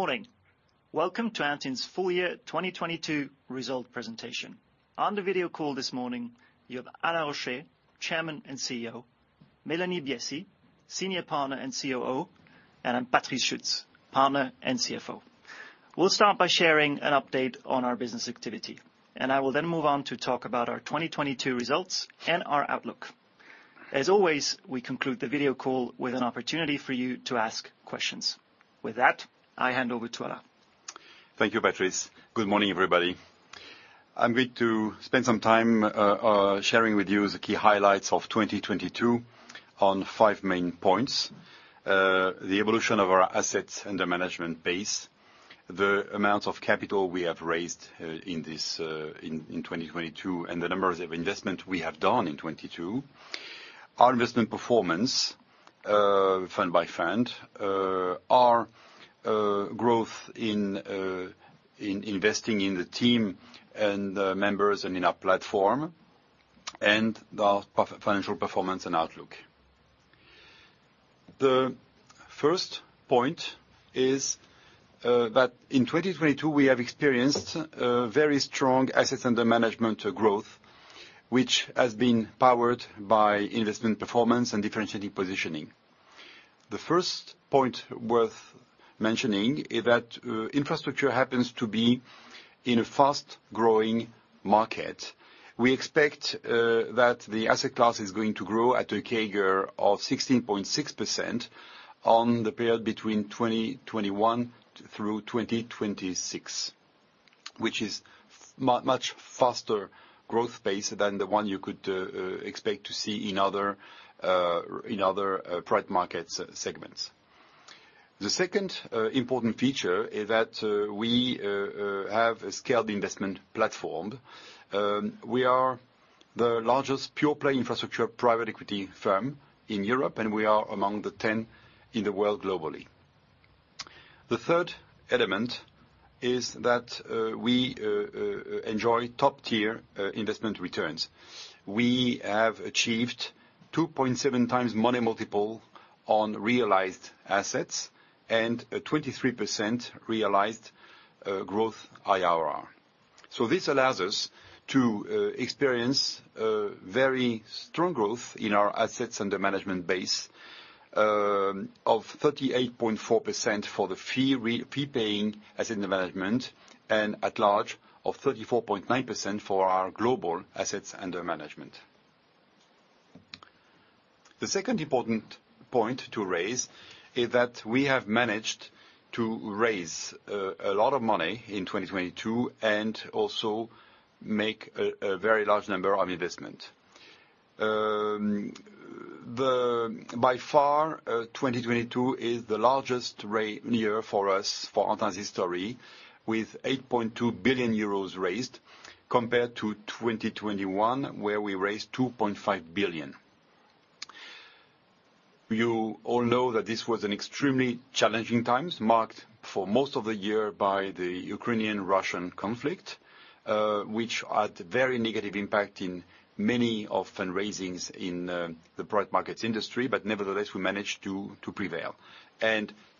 Morning. Welcome to Antin's full year 2022 result presentation. On the video call this morning, you have Alain Rauscher, Chairman and CEO, Mélanie Biessy, Senior Partner and COO, and I'm Patrice Schuetz, Partner and CFO. We'll start by sharing an update on our business activity, and I will then move on to talk about our 2022 results and our outlook. As always, we conclude the video call with an opportunity for you to ask questions. With that, I hand over to Alain. Thank you, Patrice. Good morning, everybody. I'm going to spend some time sharing with you the key highlights of 2022 on five main points. The evolution of our assets under management base, the amount of capital we have raised in this in 2022, and the numbers of investment we have done in 2022. Our investment performance fund by fund, our growth in investing in the team and the members and in our platform, and our per-financial performance and outlook. The first point is that in 2022, we have experienced very strong assets under management growth, which has been powered by investment performance and differentiating positioning. The first point worth mentioning is that infrastructure happens to be in a fast-growing market. We expect that the asset class is going to grow at a CAGR of 16.6% on the period between 2021 through 2026, which is much faster growth base than the one you could expect to see in other private market segments. The second important feature is that we have a scaled investment platform. We are the largest pure-play infrastructure private equity firm in Europe, and we are among the 10 in the world globally. The third element is that we enjoy top-tier investment returns. We have achieved 2.7x money multiple on realized assets, and a 23% realized growth IRR. This allows us to experience very strong growth in our assets under management base, of 38.4% for the fee paying asset management, and at large of 34.9% for our global assets under management. The second important point to raise is that we have managed to raise a lot of money in 2022, and also make a very large number of investment. By far, 2022 is the largest year for us, for Antin's history, with 8.2 billion euros raised compared to 2021, where we raised 2.5 billion. You all know that this was an extremely challenging times, marked for most of the year by the Ukrainian-Russian conflict, which had very negative impact in many of fundraisings in the private markets industry. Nevertheless, we managed to prevail.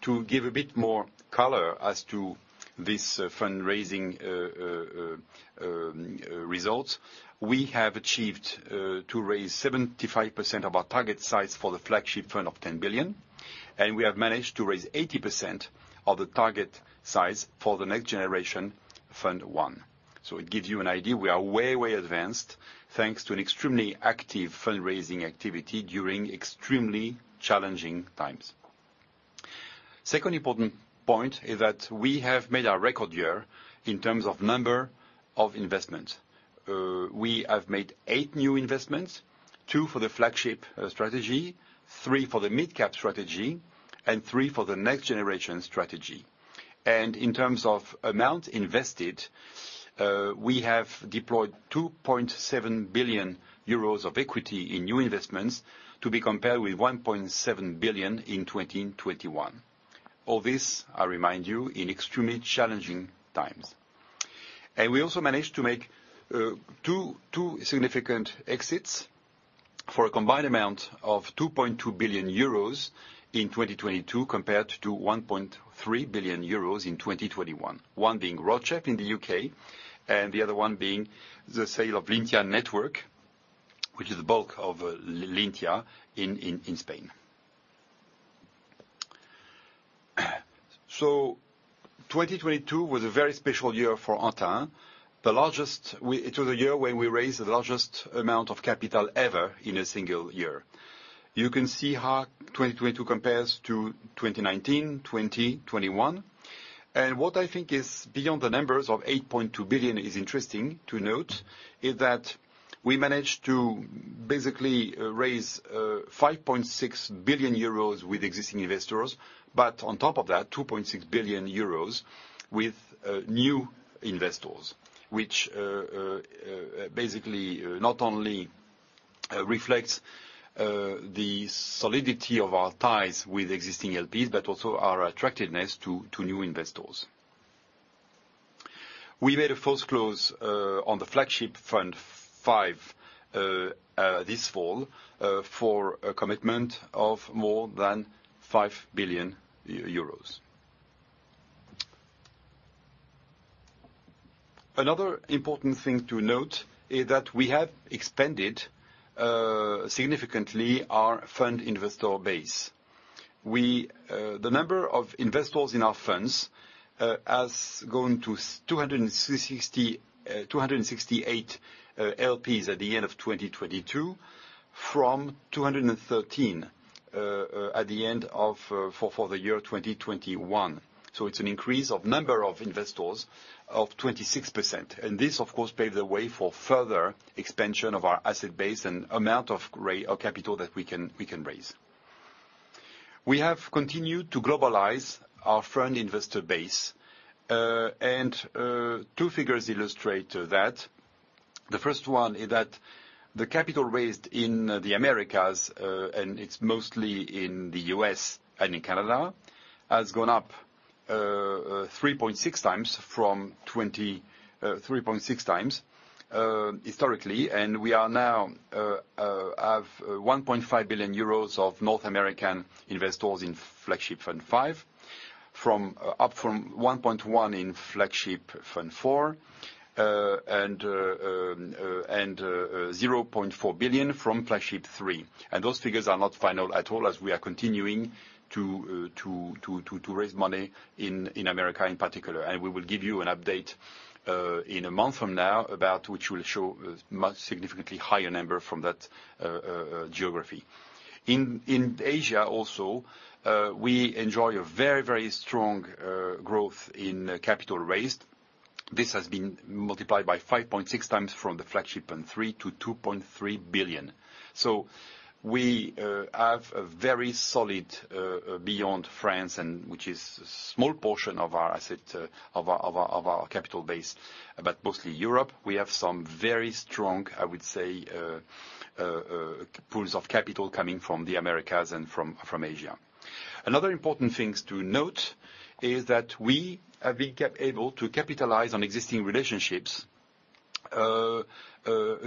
To give a bit more color as to this fundraising result, we have achieved to raise 75% of our target size for the Flagship Fund of 10 billion, and we have managed to raise 80% of the target size for the NextGen Fund I. It gives you an idea, we are way advanced, thanks to an extremely active fundraising activity during extremely challenging times. Second important point is that we have made our record year in terms of number of investment. We have made eight new investments, two for the flagship strategy, three for the midcap strategy, and three for the next generation strategy. In terms of amount invested, we have deployed 2.7 billion euros of equity in new investments to be compared with 1.7 billion in 2021. All this, I remind you, in extremely challenging times. We also managed to make two significant exits for a combined amount of 2.2 billion euros in 2022 compared to 1.3 billion euros in 2021. One being Roadchef in the U.K., and the other one being the sale of Lyntia Networks, which is the bulk of Lyntia in Spain. 2022 was a very special year for Antin. It was a year when we raised the largest amount of capital ever in a single year. You can see how 2022 compares to 2019, 2021. What I think is, beyond the numbers of 8.2 billion is interesting to note, is that we managed to basically raise 5.6 billion euros with existing investors. On top of that, 2.6 billion euros with new investors, which basically not only reflects the solidity of our ties with existing LPs, but also our attractiveness to new investors. We made a first close on the Flagship Fund V this fall for a commitment of more than 5 billion euros. Another important thing to note is that we have expanded significantly our fund investor base. The number of investors in our funds, has grown to 268 LPs at the end of 2022, from 213 at the end of the year 2021. It's an increase of number of investors of 26%. This, of course, paved the way for further expansion of our asset base and amount of capital that we can raise. We have continued to globalize our fund investor base. Two figures illustrate that. The first one is that the capital raised in the Americas, and it's mostly in the U.S. and in Canada, has gone up 3.6x. 3.6x historically, we are now have 1.5 billion euros of North American investors in Flagship Fund V. From up from 1.1 billion in Flagship Fund IV, 0.4 billion from Flagship Fund III. Those figures are not final at all as we are continuing to raise money in America in particular. We will give you an update in a month from now about which we'll show a much significantly higher number from that geography. In Asia also, we enjoy a very, very strong growth in capital raised. This has been multiplied by 5.6x from the Flagship Fund III to 2.3 billion. We have a very solid beyond France, and which is a small portion of our asset, of our capital base, but mostly Europe. We have some very strong, I would say, pools of capital coming from the Americas and from Asia. Another important things to note is that we have been capable to capitalize on existing relationships,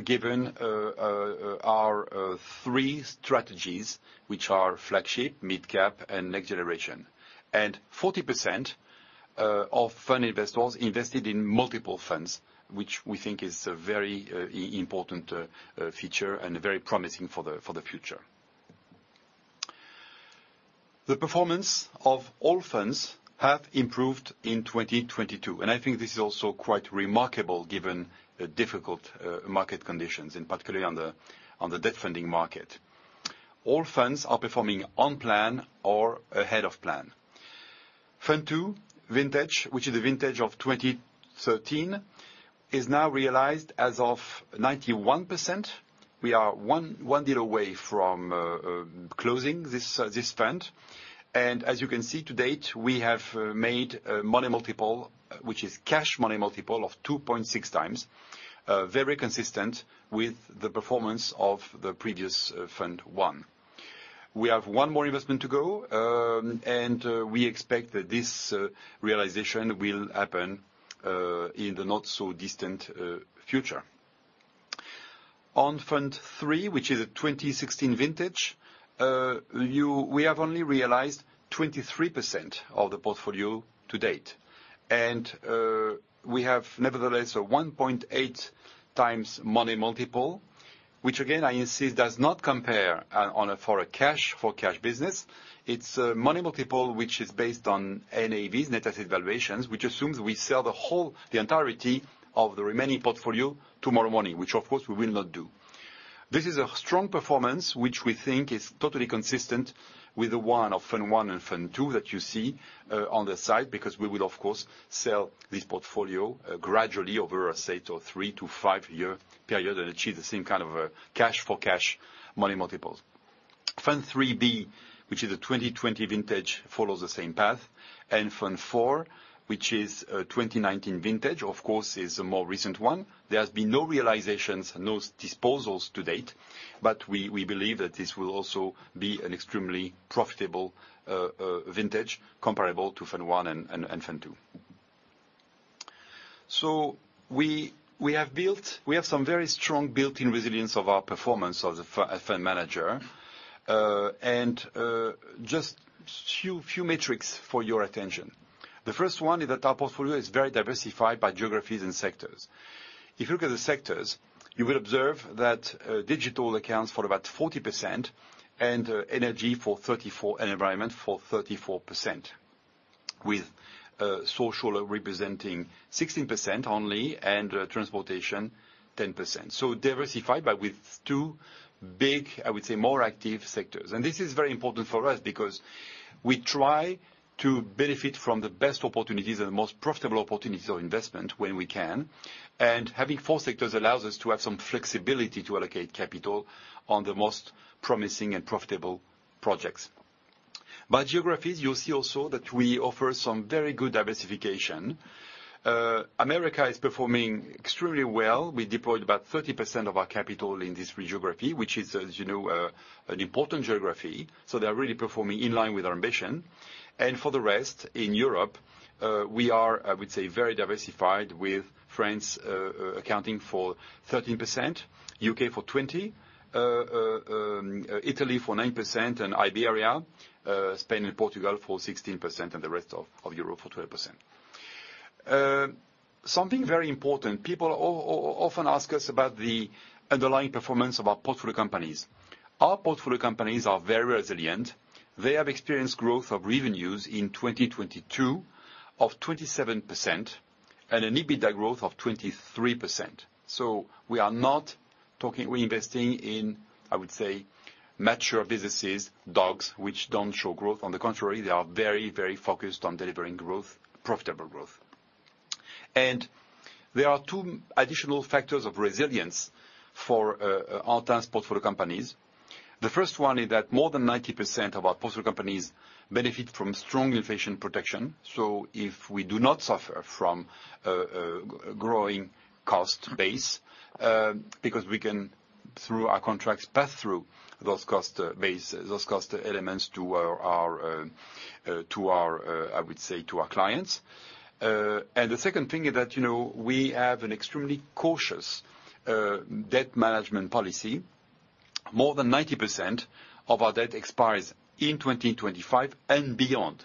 given our three strategies, which are Flagship, MidCap, and NextGeneration. 40% of fund investors invested in multiple funds, which we think is a very important feature and very promising for the future. The performance of all funds have improved in 2022, I think this is also quite remarkable given the difficult market conditions, in particular on the debt funding market. All funds are performing on plan or ahead of plan. Fund II vintage, which is a vintage of 2013, is now realized as of 91%. We are one deal away from closing this fund. As you can see, to date, we have made a money multiple, which is cash money multiple of 2.6x, very consistent with the performance of the previous Fund I. We have one more investment to go, and we expect that this realization will happen in the not so distant future. On Fund III, which is a 2016 vintage, we have only realized 23% of the portfolio to date. We have nevertheless a 1.8x money multiple, which again, I insist, does not compare for a cash, for cash business. It's a money multiple which is based on NAVs, net asset valuations, which assumes we sell the whole, the entirety of the remaining portfolio tomorrow morning, which of course we will not do. This is a strong performance which we think is totally consistent with the one of Fund I and Fund II that you see on the side, because we will of course sell this portfolio gradually over a say two, three to five-year period and achieve the same kind of cash for cash money multiples. Fund III-B, which is a 2020 vintage, follows the same path. Fund IV, which is a 2019 vintage, of course is a more recent one. There has been no realizations, no disposals to date, we believe that this will also be an extremely profitable vintage comparable to Fund I and Fund II. We have some very strong built-in resilience of our performance of a fund manager. Just few metrics for your attention. The first one is that our portfolio is very diversified by geographies and sectors. If you look at the sectors, you will observe that digital accounts for about 40% and environment for 34%, with social representing 16% only, and transportation 10%. Diversified with two big, I would say, more active sectors. This is very important for us because we try to benefit from the best opportunities and the most profitable opportunities of investment when we can. Having four sectors allows us to have some flexibility to allocate capital on the most promising and profitable projects. By geographies, you'll see also that we offer some very good diversification. America is performing extremely well. We deployed about 30% of our capital in this geography, which is as you know, an important geography, so they're really performing in line with our ambition. For the rest, in Europe, we are, I would say, very diversified with France, accounting for 13%, U.K. for 20%, Italy for 9%, and Iberia, Spain and Portugal for 16%, and the rest of Europe for 12%. Something very important. People often ask us about the underlying performance of our portfolio companies. Our portfolio companies are very resilient. They have experienced growth of revenues in 2022 of 27% and an EBITDA growth of 23%. We're investing in, I would say, mature businesses, dogs which don't show growth. On the contrary, they are very focused on delivering growth, profitable growth. There are two additional factors of resilience for Antin portfolio companies. The first one is that more than 90% of our portfolio companies benefit from strong inflation protection. If we do not suffer from a growing cost base, because we can, through our contracts, pass through those cost elements to our, I would say, to our clients. The second thing is that, you know, we have an extremely cautious debt management policy. More than 90% of our debt expires in 2025 and beyond,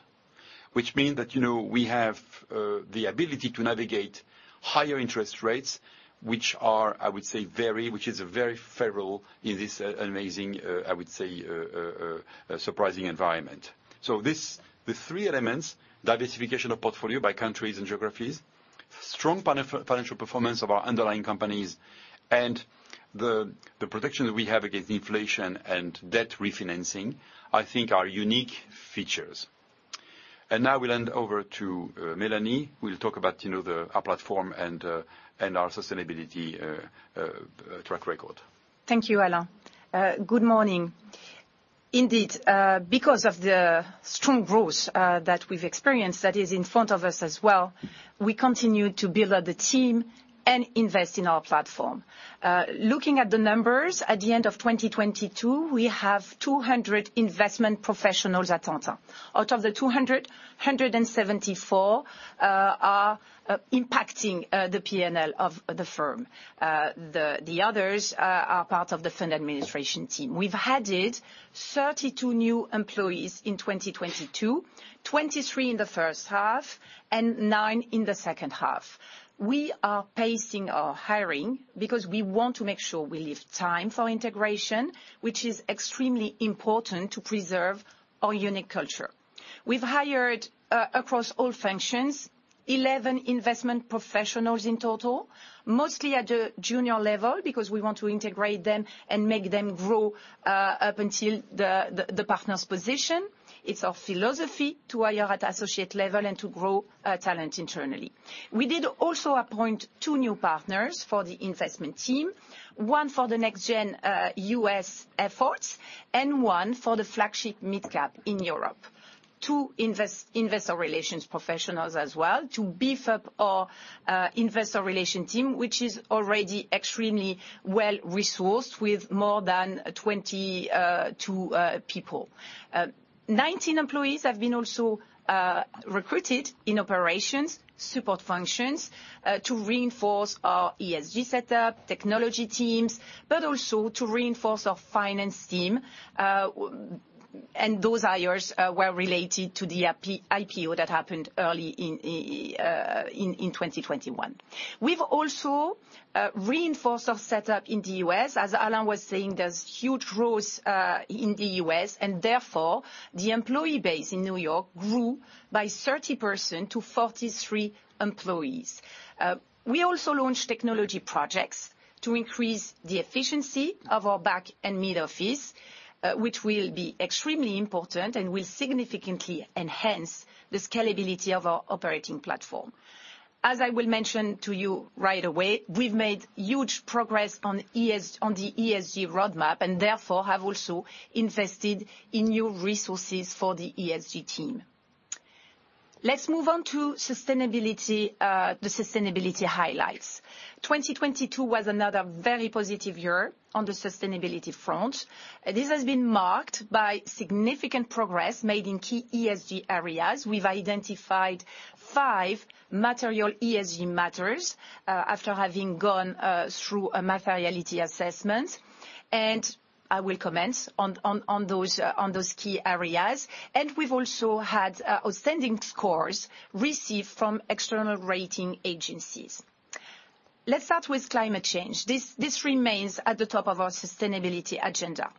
which means that, you know, we have the ability to navigate higher interest rates, which are, I would say, very which is very favorable in this amazing, I would say, surprising environment. The three elements, diversification of portfolio by countries and geographies, strong financial performance of our underlying companies, and the protection that we have against inflation and debt refinancing, I think are unique features. Now we'll hand over to Mélanie, who will talk about, you know, our platform and our sustainability track record. Thank you, Alain. Good morning. Indeed, because of the strong growth that we've experienced that is in front of us as well, we continue to build up the team and invest in our platform. Looking at the numbers at the end of 2022, we have 200 investment professionals at Antin. Out of the 200, 174 are impacting the P&L of the firm. The others are part of the fund administration team. We've added 32 new employees in 2022, 23 in the first half, and nine in the second half. We are pacing our hiring because we want to make sure we leave time for integration, which is extremely important to preserve our unique culture. We've hired across all functions, 11 investment professionals in total, mostly at the junior level, because we want to integrate them and make them grow up until the partner's position. It's our philosophy to hire at associate level and to grow talent internally. We did also appoint two new partners for the investment team, one for the NextGen U.S. efforts, and one for the flagship Mid Cap in Europe. Two investor relations professionals as well to beef up our investor relation team, which is already extremely well-resourced with more than 22 people. 19 employees have been also recruited in operations support functions to reinforce our ESG setup, technology teams, but also to reinforce our finance team. Those hires were related to the IPO that happened early in 2021. We've also reinforced our setup in the U.S. As Alain was saying, there's huge growth in the U.S., and therefore, the employee base in New York grew by 30% to 43 employees. We also launched technology projects to increase the efficiency of our back and mid-office, which will be extremely important and will significantly enhance the scalability of our operating platform. As I will mention to you right away, we've made huge progress on the ESG roadmap and therefore have also invested in new resources for the ESG team. Let's move on to sustainability, the sustainability highlights. 2022 was another very positive year on the sustainability front. This has been marked by significant progress made in key ESG areas. We've identified five material ESG matters, after having gone through a materiality assessment, I will comment on those key areas. We've also had outstanding scores received from external rating agencies. Let's start with climate change. This remains at the top of our sustainability agenda.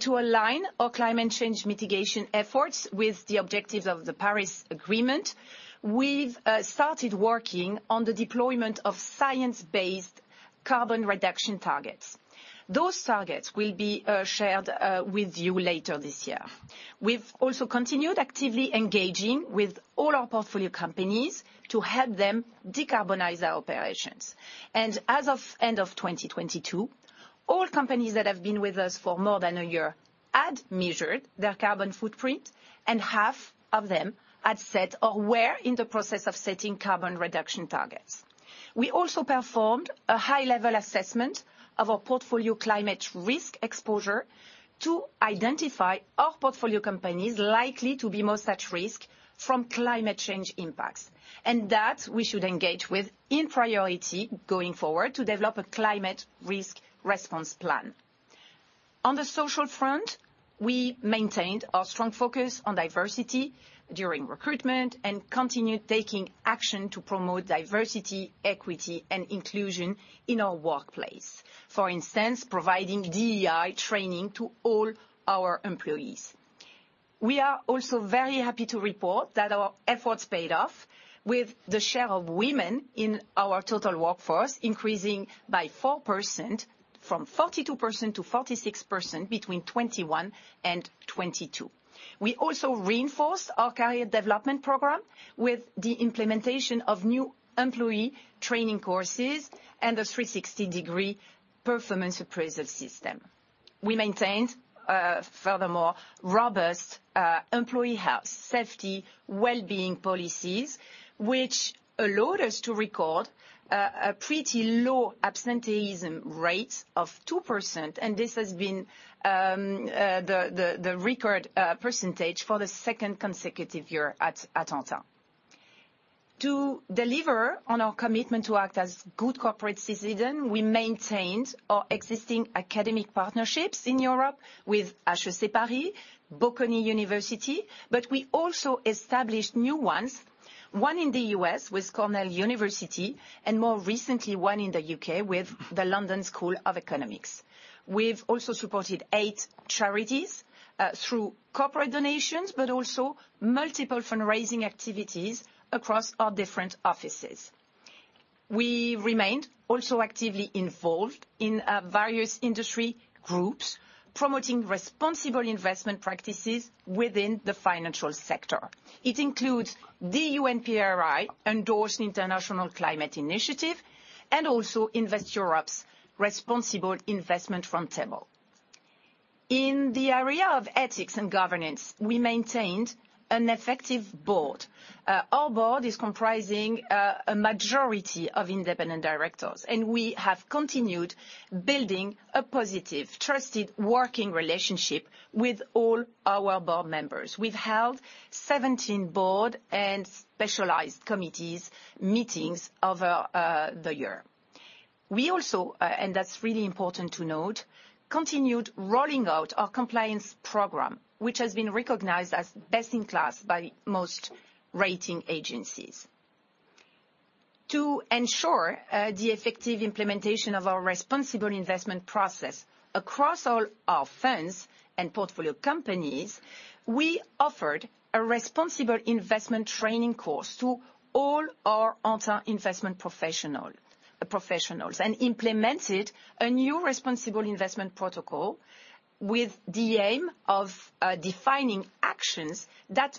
To align our climate change mitigation efforts with the objectives of the Paris Agreement, we've started working on the deployment of science-based carbon reduction targets. Those targets will be shared with you later this year. We've also continued actively engaging with all our portfolio companies to help them decarbonize their operations. As of end of 2022, all companies that have been with us for more than a year had measured their carbon footprint, and half of them had set or were in the process of setting carbon reduction targets. We also performed a high-level assessment of our portfolio climate risk exposure to identify our portfolio companies likely to be most at risk from climate change impacts, and that we should engage with in priority going forward to develop a climate risk response plan. On the social front, we maintained our strong focus on diversity during recruitment and continued taking action to promote diversity, equity, and inclusion in our workplace. For instance, providing DEI training to all our employees. We are also very happy to report that our efforts paid off with the share of women in our total workforce, increasing by 4% from 42% to 46% between 2021 and 2022. We also reinforced our career development program with the implementation of new employee training courses and a 360-degree performance appraisal system. We maintained, furthermore, robust employee health, safety, wellbeing policies, which allowed us to record a pretty low absenteeism rate of 2%, and this has been the record percentage for the second consecutive year at Antin. To deliver on our commitment to act as good corporate citizen, we maintained our existing academic partnerships in Europe with HEC Paris, Bocconi University, but we also established new ones, one in the U.S. with Cornell University, and more recently, one in the U.K. with the London School of Economics. We've also supported eight charities through corporate donations, but also multiple fundraising activities across our different offices. We remained also actively involved in various industry groups promoting responsible investment practices within the financial sector. It includes the UN PRI-endorsed International Climate Initiative and also Invest Europe's Responsible Investment Roundtable. In the area of ethics and governance, we maintained an effective board. Our board is comprising a majority of independent directors, and we have continued building a positive, trusted working relationship with all our board members. We've held 17 board and specialized committees meetings over the year. We also, and that's really important to note, continued rolling out our compliance program, which has been recognized as best in class by most rating agencies. To ensure the effective implementation of our responsible investment process across all our funds and portfolio companies, we offered a responsible investment training course to all our Antin investment professionals and implemented a new responsible investment protocol with the aim of defining actions that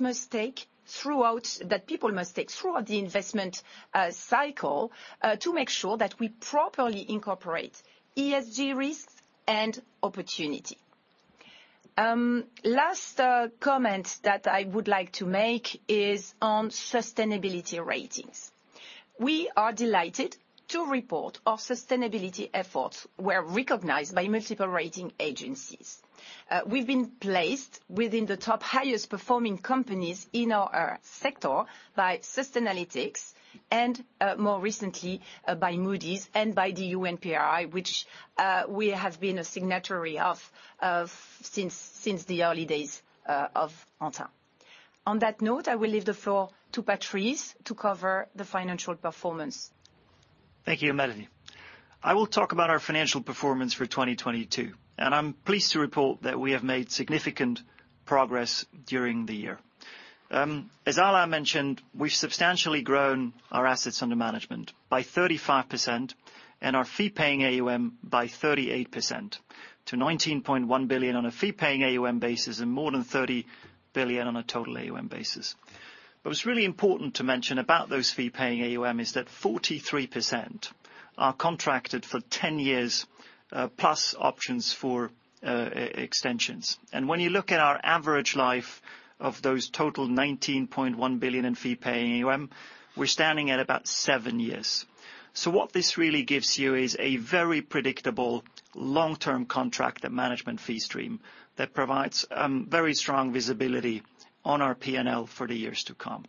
people must take throughout the investment cycle to make sure that we properly incorporate ESG risks and opportunity. Last comment that I would like to make is on sustainability ratings. We are delighted to report our sustainability efforts were recognized by multiple rating agencies. We've been placed within the top highest performing companies in our sector by Sustainalytics and more recently by Moody's and by the UNPRI, which we have been a signatory of since the early days of Antin. On that note, I will leave the floor to Patrice to cover the financial performance. Thank you, Mélanie. I will talk about our financial performance for 2022. I'm pleased to report that we have made significant progress during the year. As Alain mentioned, we've substantially grown our assets under management by 35% and our Fee-Paying AUM by 38% to 19.1 billion on a Fee-Paying AUM basis and more than 30 billion on a total AUM basis. What's really important to mention about those Fee-Paying AUM is that 43% are contracted for 10+ years, options for e-extensions. When you look at our average life of those total 19.1 billion in Fee-Paying AUM, we're standing at about seven years. What this really gives you is a very predictable long-term contract, a management fee stream that provides very strong visibility on our P&L for the years to come.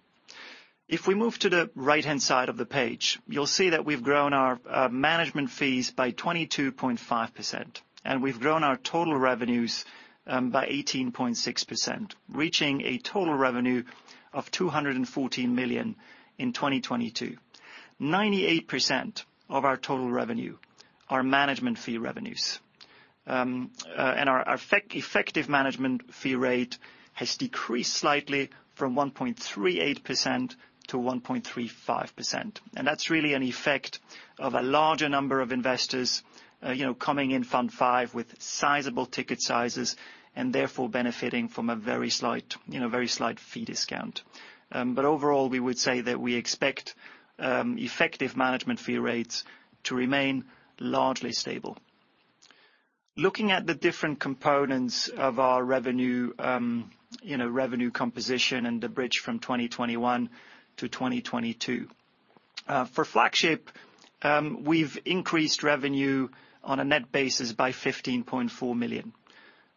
If we move to the right-hand side of the page, you'll see that we've grown our management fees by 22.5%, and we've grown our total revenues by 18.6%, reaching a total revenue of 214 million in 2022. 98% of our total revenue are management fee revenues. Our effective management fee rate has decreased slightly from 1.38% to 1.35%. That's really an effect of a larger number of investors, you know, coming in Fund V with sizable ticket sizes and therefore benefiting from a very slight, you know, very slight fee discount. Overall, we would say that we expect effective management fee rates to remain largely stable. Looking at the different components of our revenue, you know, revenue composition and the bridge from 2021 to 2022. For Flagship, we've increased revenue on a net basis by 15.4 million.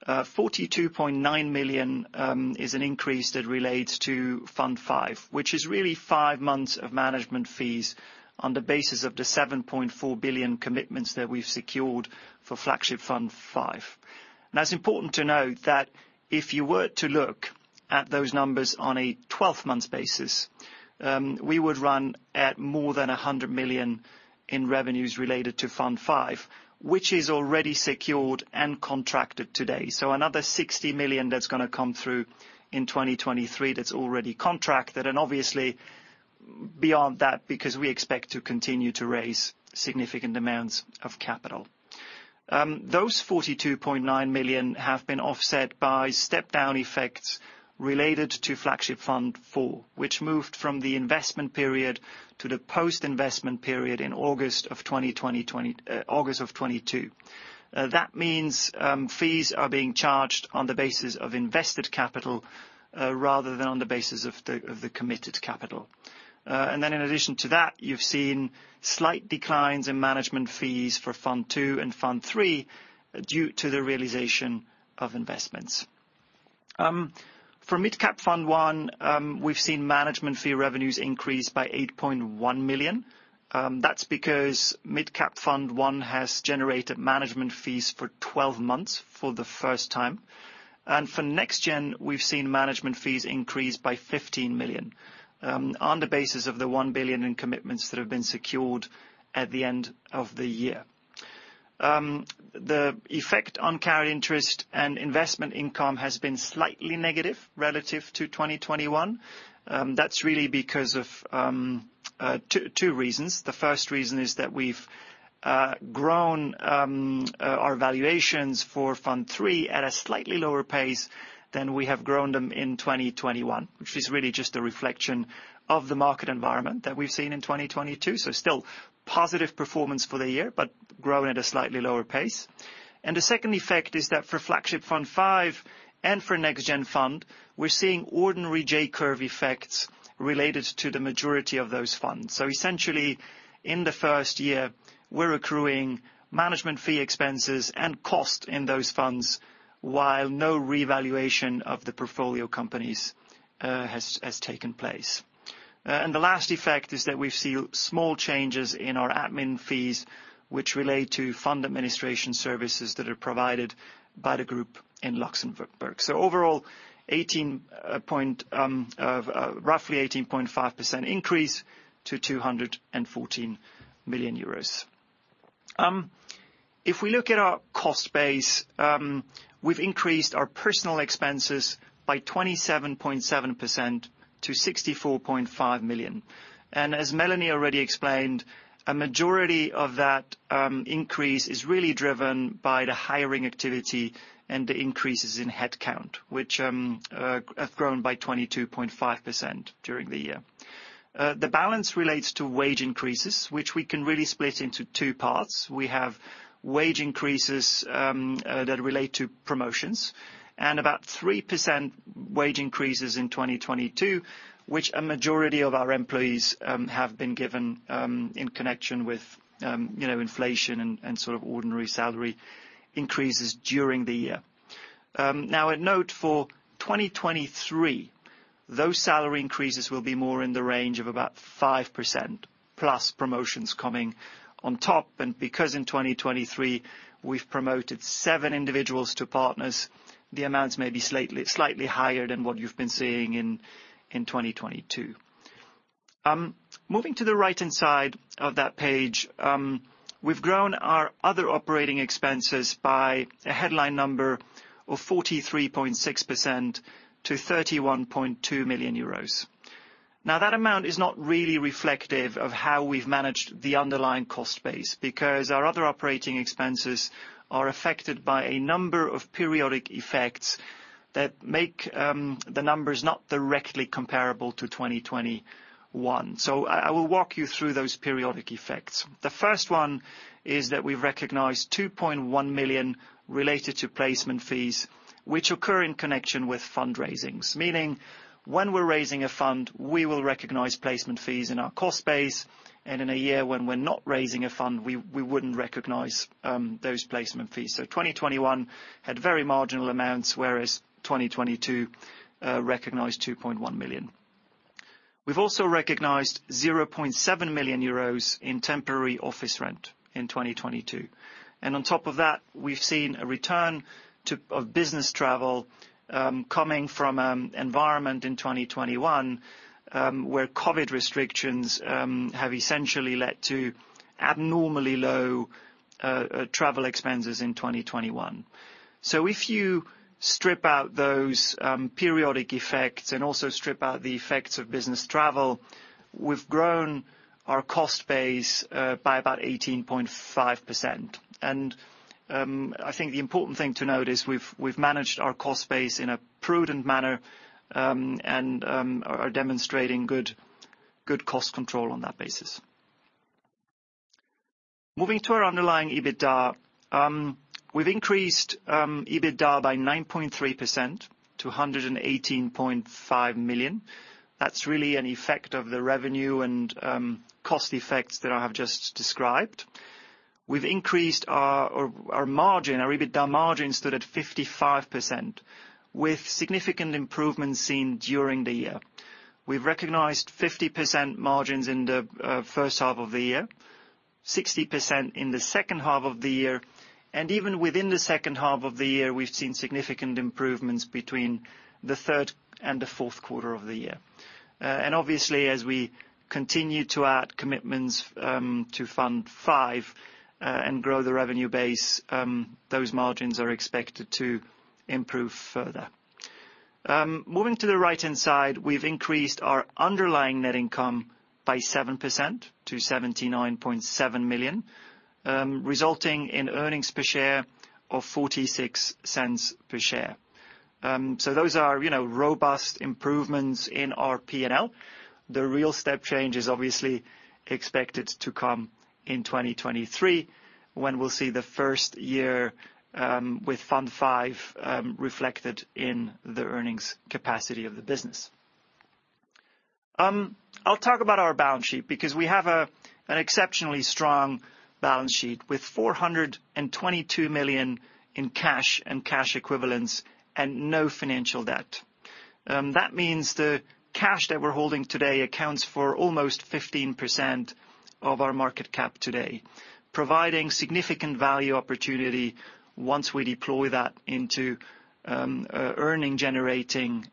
42.9 million is an increase that relates to Fund V, which is really five months of management fees on the basis of the 7.4 billion commitments that we've secured for Flagship Fund V. Now, it's important to note that if you were to look at those numbers on a 12-month basis, we would run at more than 100 million in revenues related to Fund V, which is already secured and contracted today. Another 60 million that's gonna come through in 2023 that's already contracted. Obviously, beyond that, because we expect to continue to raise significant amounts of capital. Those 42.9 million have been offset by step-down effects related to Flagship Fund IV, which moved from the investment period to the post-investment period in August of 2022. That means, fees are being charged on the basis of invested capital, rather than on the basis of the committed capital. In addition to that, you've seen slight declines in management fees for Fund II and Fund III due to the realization of investments. For Midcap Fund I, we've seen management fee revenues increase by 8.1 million. That's because Midcap Fund I has generated management fees for 12 months for the first time. For NextGen, we've seen management fees increase by 15 million on the basis of the 1 billion in commitments that have been secured at the end of the year. The effect on carry interest and investment income has been slightly negative relative to 2021. That's really because of two reasons. The first reason is that we've grown our valuations for Fund III at a slightly lower pace than we have grown them in 2021, which is really just a reflection of the market environment that we've seen in 2022. Still positive performance for the year, but growing at a slightly lower pace. The second effect is that for Flagship Fund V and for NextGen Fund, we're seeing ordinary J-curve effects related to the majority of those funds. Essentially, in the first year, we're accruing management fee expenses and cost in those funds, while no revaluation of the portfolio companies has taken place. The last effect is that we've seen small changes in our admin fees, which relate to fund administration services that are provided by the group in Luxembourg. Overall, roughly 18.5% increase to 214 million euros. If we look at our cost base, we've increased our personal expenses by 27.7% to 64.5 million. As Mélanie already explained, a majority of that increase is really driven by the hiring activity and the increases in headcount, which have grown by 22.5% during the year. The balance relates to wage increases, which we can really split into two parts. We have wage increases that relate to promotions and about 3% wage increases in 2022, which a majority of our employees have been given in connection with, you know, inflation and sort of ordinary salary increases during the year. Now a note for 2023, those salary increases will be more in the range of about 5%+ promotions coming on top. Because in 2023 we've promoted seven individuals to partners, the amounts may be slightly higher than what you've been seeing in 2022. Moving to the right-hand side of that page, we've grown our other operating expenses by a headline number of 43.6% to 31.2 million euros. That amount is not really reflective of how we've managed the underlying cost base because our other operating expenses are affected by a number of periodic effects that make the numbers not directly comparable to 2021. I will walk you through those periodic effects. The first one is that we've recognized 2.1 million related to placement fees which occur in connection with fundraisings. Meaning when we're raising a fund, we will recognize placement fees in our cost base, and in a year when we're not raising a fund, we wouldn't recognize those placement fees. 2021 had very marginal amounts, whereas 2022 recognized 2.1 million. We've also recognized 0.7 million euros in temporary office rent in 2022. On top of that, we've seen a return of business travel coming from environment in 2021 where COVID restrictions have essentially led to abnormally low travel expenses in 2021. If you strip out those periodic effects and also strip out the effects of business travel, we've grown our cost base by about 18.5%. I think the important thing to note is we've managed our cost base in a prudent manner and are demonstrating good cost control on that basis. Moving to our underlying EBITDA, we've increased EBITDA by 9.3% to 118.5 million. That's really an effect of the revenue and cost effects that I have just described. We've increased our margin. Our EBITDA margin stood at 55% with significant improvements seen during the year. We've recognized 50% margins in the first half of the year, 60% in the second half of the year. Even within the second half of the year, we've seen significant improvements between the third and the fourth quarter of the year. Obviously, as we continue to add commitments to Fund V and grow the revenue base, those margins are expected to improve further. Moving to the right-hand side, we've increased our underlying net income by 7% to 79.7 million, resulting in earnings per share of 0.46 per share. Those are, you know, robust improvements in our P&L. The real step change is obviously expected to come in 2023 when we'll see the first year with Fund V reflected in the earnings capacity of the business. I'll talk about our balance sheet because we have an exceptionally strong balance sheet with 422 million in cash and cash equivalents and no financial debt. That means the cash that we're holding today accounts for almost 15% of our market cap today, providing significant value opportunity once we deploy that into earning generating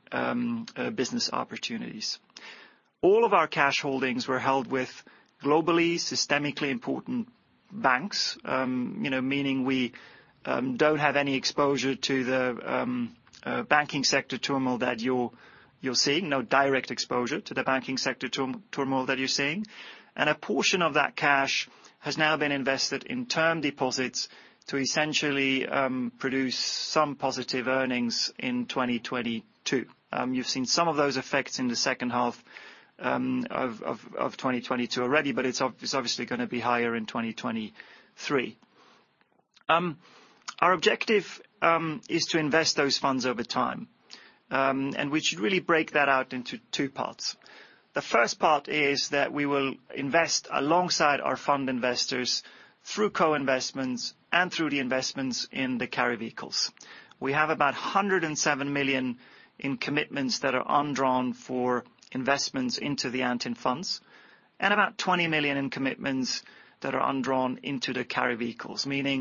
business opportunities. All of our cash holdings were held with globally systemically important banks, you know, meaning we don't have any exposure to the banking sector turmoil that you're seeing, no direct exposure to the banking sector turmoil that you're seeing. A portion of that cash has now been invested in term deposits to essentially produce some positive earnings in 2022. You've seen some of those effects in the second half of 2022 already, but it's obviously going to be higher in 2023. Our objective is to invest those funds over time, we should really break that out into two parts. The first part is that we will invest alongside our fund investors through co-investments and through the investments in the carry vehicles. We have about 107 million in commitments that are undrawn for investments into the Antin funds and about 20 million in commitments that are undrawn into the carry vehicles, meaning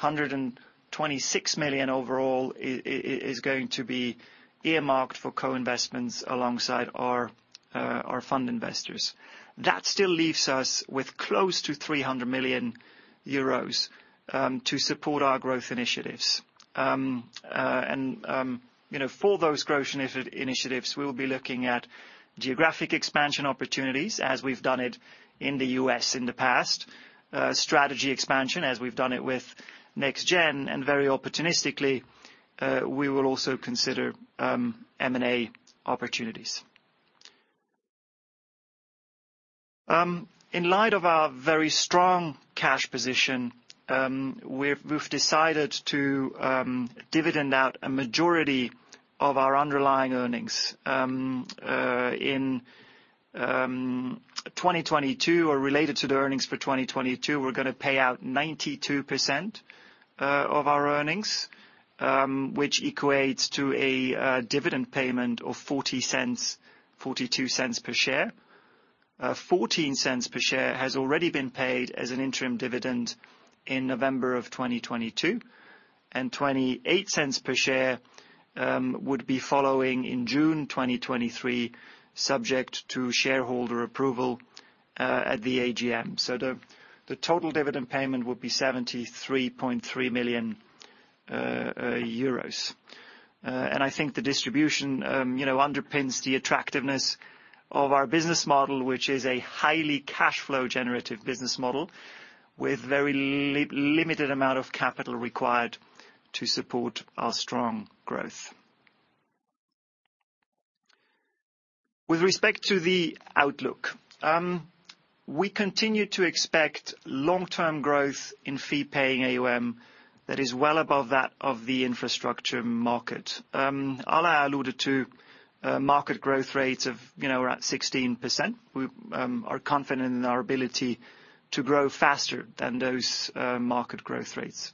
126 million overall is going to be earmarked for co-investments alongside our fund investors. That still leaves us with close to 300 million euros to support our growth initiatives. You know, for those growth initiatives, we will be looking at geographic expansion opportunities as we've done it in the U.S. in the past, strategy expansion, as we've done it with NextGen, and very opportunistically, we will also consider M&A opportunities. In light of our very strong cash position, we've decided to dividend out a majority of our underlying earnings in 2022 or related to the earnings for 2022. We're going to pay out 92% of our earnings, which equates to a dividend payment of 0.42 per share. 0.14 per share has already been paid as an interim dividend in November of 2022. 0.28 per share would be following in June 2023, subject to shareholder approval at the AGM. The total dividend payment would be 73.3 million euros. I think the distribution, you know, underpins the attractiveness of our business model, which is a highly cash flow generative business model with very limited amount of capital required to support our strong growth. With respect to the outlook, we continue to expect long-term growth in fee-paying AUM that is well above that of the infrastructure market. Alain alluded to market growth rates of, you know, we're at 16%. We are confident in our ability to grow faster than those market growth rates.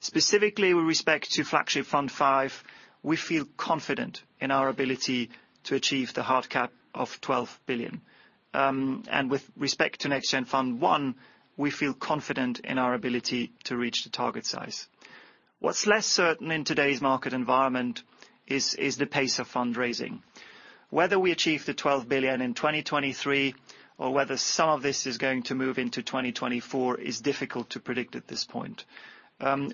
Specifically with respect to Flagship Fund V, we feel confident in our ability to achieve the hard cap of 12 billion. With respect to NextGen Fund I, we feel confident in our ability to reach the target size. What's less certain in today's market environment is the pace of fundraising. Whether we achieve the 12 billion in 2023 or whether some of this is going to move into 2024 is difficult to predict at this point,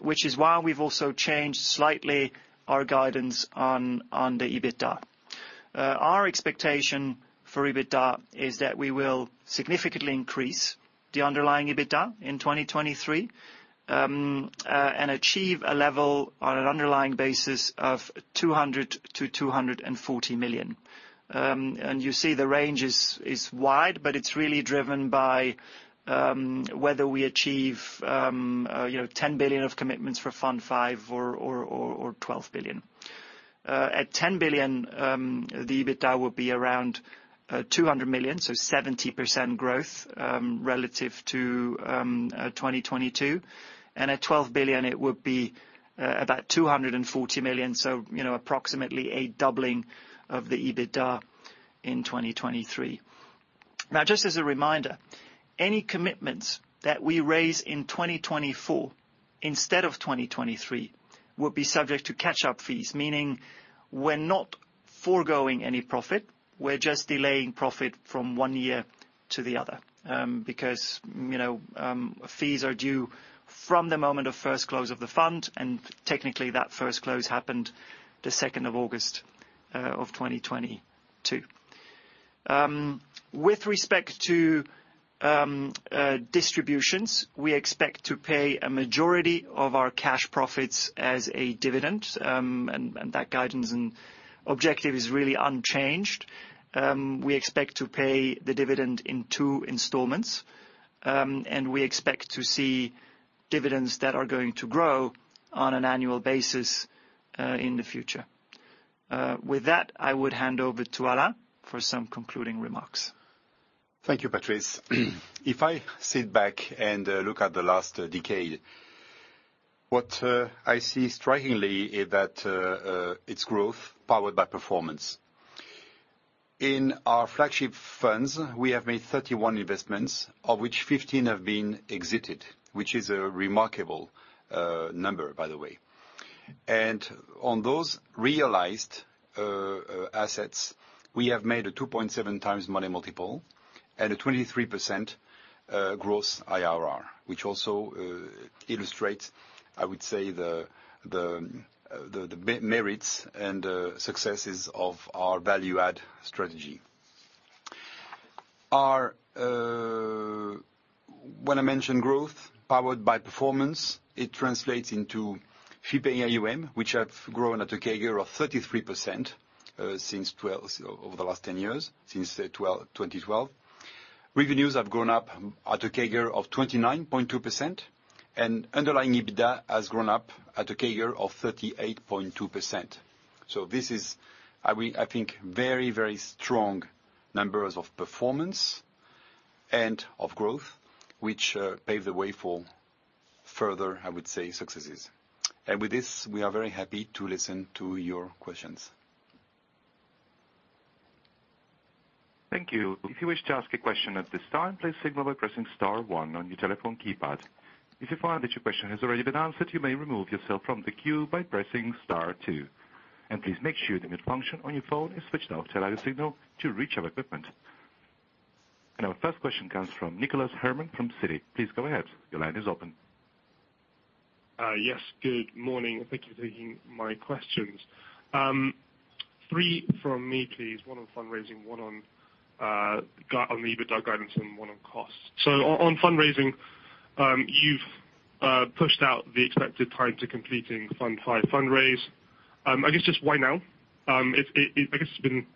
which is why we've also changed slightly our guidance on the EBITDA. Our expectation for EBITDA is that we will significantly increase the underlying EBITDA in 2023 and achieve a level on an underlying basis of 200 million-240 million. You see the range is wide, but it's really driven by whether we achieve, you know, 10 billion of commitments for Fund V or 12 billion. At 10 billion, the EBITDA will be around 200 million, so 70% growth relative to 2022. At 12 billion it would be about 240 million, so, you know, approximately a doubling of the EBITDA in 2023. Now, just as a reminder, any commitments that we raise in 2024 instead of 2023 will be subject to catch-up fees, meaning we're not foregoing any profit. We're just delaying profit from one year to the other, because fees are due from the moment of first close of the fund, and technically that first close happened the 2nd of August 2022. With respect to distributions, we expect to pay a majority of our cash profits as a dividend, and that guidance and objective is really unchanged. We expect to pay the dividend in two installments, and we expect to see dividends that are going to grow on an annual basis in the future. With that, I would hand over to Alain for some concluding remarks. Thank you, Patrice. If I sit back and look at the last decade, what I see strikingly is that it's growth powered by performance. In our Flagship Funds, we have made 31 investments, of which 15 have been exited, which is a remarkable number, by the way. On those realized assets, we have made a 2.7x money multiple and a 23% gross IRR, which also illustrates, I would say, the merits and successes of our value add strategy. When I mention growth powered by performance, it translates into Fee-Paying AUM, which have grown at a CAGR of 33% over the last 10 years, since 2012. Revenues have grown up at a CAGR of 29.2%, and underlying EBITDA has grown up at a CAGR of 38.2%. This is, I think, very, very strong numbers of performance and of growth, which pave the way for further, I would say, successes. With this, we are very happy to listen to your questions. Thank you. If you wish to ask a question at this time, please signal by pressing star one on your telephone keypad. If you find that your question has already been answered, you may remove yourself from the queue by pressing star two. Please make sure the mute function on your phone is switched off to allow the signal to reach our equipment. Our first question comes from Nicholas Herman from Citi. Please go ahead. Your line is open. Yes, good morning. Thank you for taking my questions. Three from me, please. One on fundraising, one on the EBITDA guidance, and one on costs. On fundraising, you've pushed out the expected time to completing Fund V fundraise. I guess just why now? I guess it's been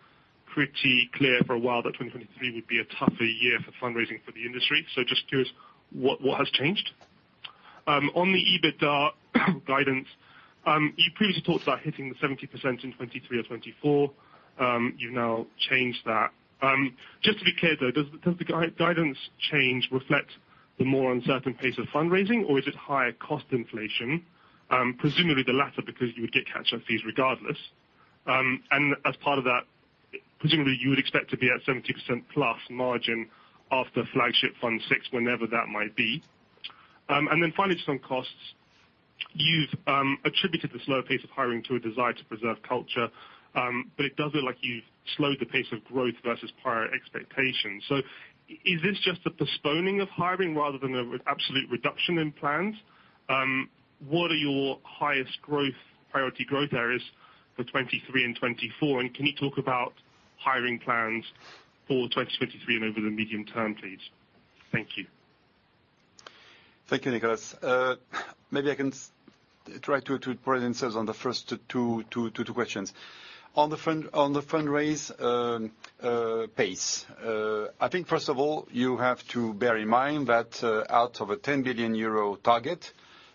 pretty clear for a while that 2023 would be a tougher year for fundraising for the industry, so just curious what has changed. On the EBITDA guidance, you previously talked about hitting the 70% in 2023 or 2024. You've now changed that. Just to be clear, though, does the guidance change reflect the more uncertain pace of fundraising, or is it higher cost inflation? Presumably the latter because you would get catch-up fees regardless. And as part of that, presumably you would expect to be at 70%+ margin after Flagship Fund VI, whenever that might be. And then finally just on costs, you've attributed the slower pace of hiring to a desire to preserve culture, but it does look like you've slowed the pace of growth versus prior expectations. Is this just a postponing of hiring rather than an absolute reduction in plans? What are your highest growth, priority growth areas for 2023 and 2024? And can you talk about hiring plans for 2023 and over the medium term, please? Thank you. Thank you, Nicholas. Maybe I can try to put answers on the first two questions. On the fundraise pace, I think first of all, you have to bear in mind that out of a 10 billion euro target,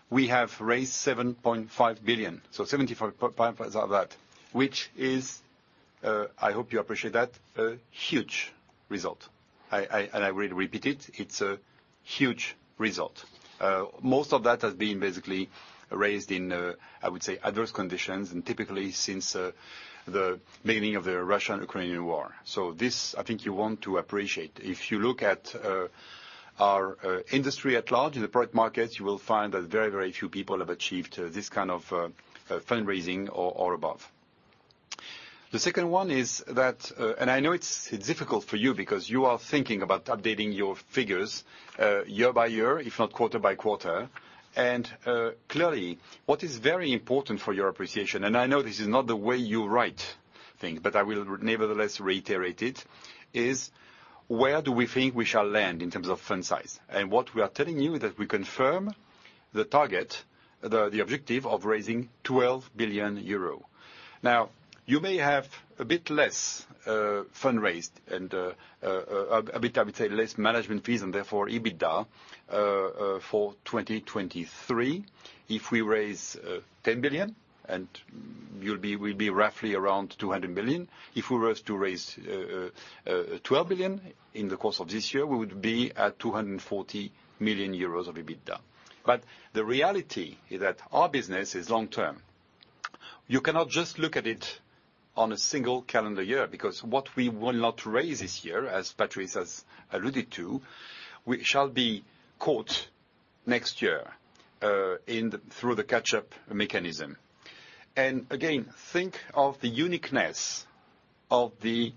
we have raised 7.5 billion, so 75% of that, which is, I hope you appreciate that, a huge result. I will repeat it's a huge result. Most of that has been basically raised in, I would say, adverse conditions, typically since the beginning of the Russian-Ukrainian war. This, I think you want to appreciate. If you look at our industry at large in the private markets, you will find that very, very few people have achieved this kind of fundraising or above. The second one is that, and I know it's difficult for you because you are thinking about updating your figures, year by year, if not quarter by quarter. Clearly what is very important for your appreciation, and I know this is not the way you write things, but I will nevertheless reiterate it, is where do we think we shall land in terms of fund size? What we are telling you is that we confirm the target, the objective of raising 12 billion euro. Now, you may have a bit less fundraised and a bit, I would say, less management fees, and therefore EBITDA for 2023 if we raise 10 billion. We'll be roughly around 200 million. If we were to raise 12 billion in the course of this year, we would be at 240 million euros of EBITDA. The reality is that our business is long-term. You cannot just look at it on a single calendar year, because what we will not raise this year, as Patrice has alluded to, we shall be caught next year through the catch-up mechanism. Again, think of the uniqueness of the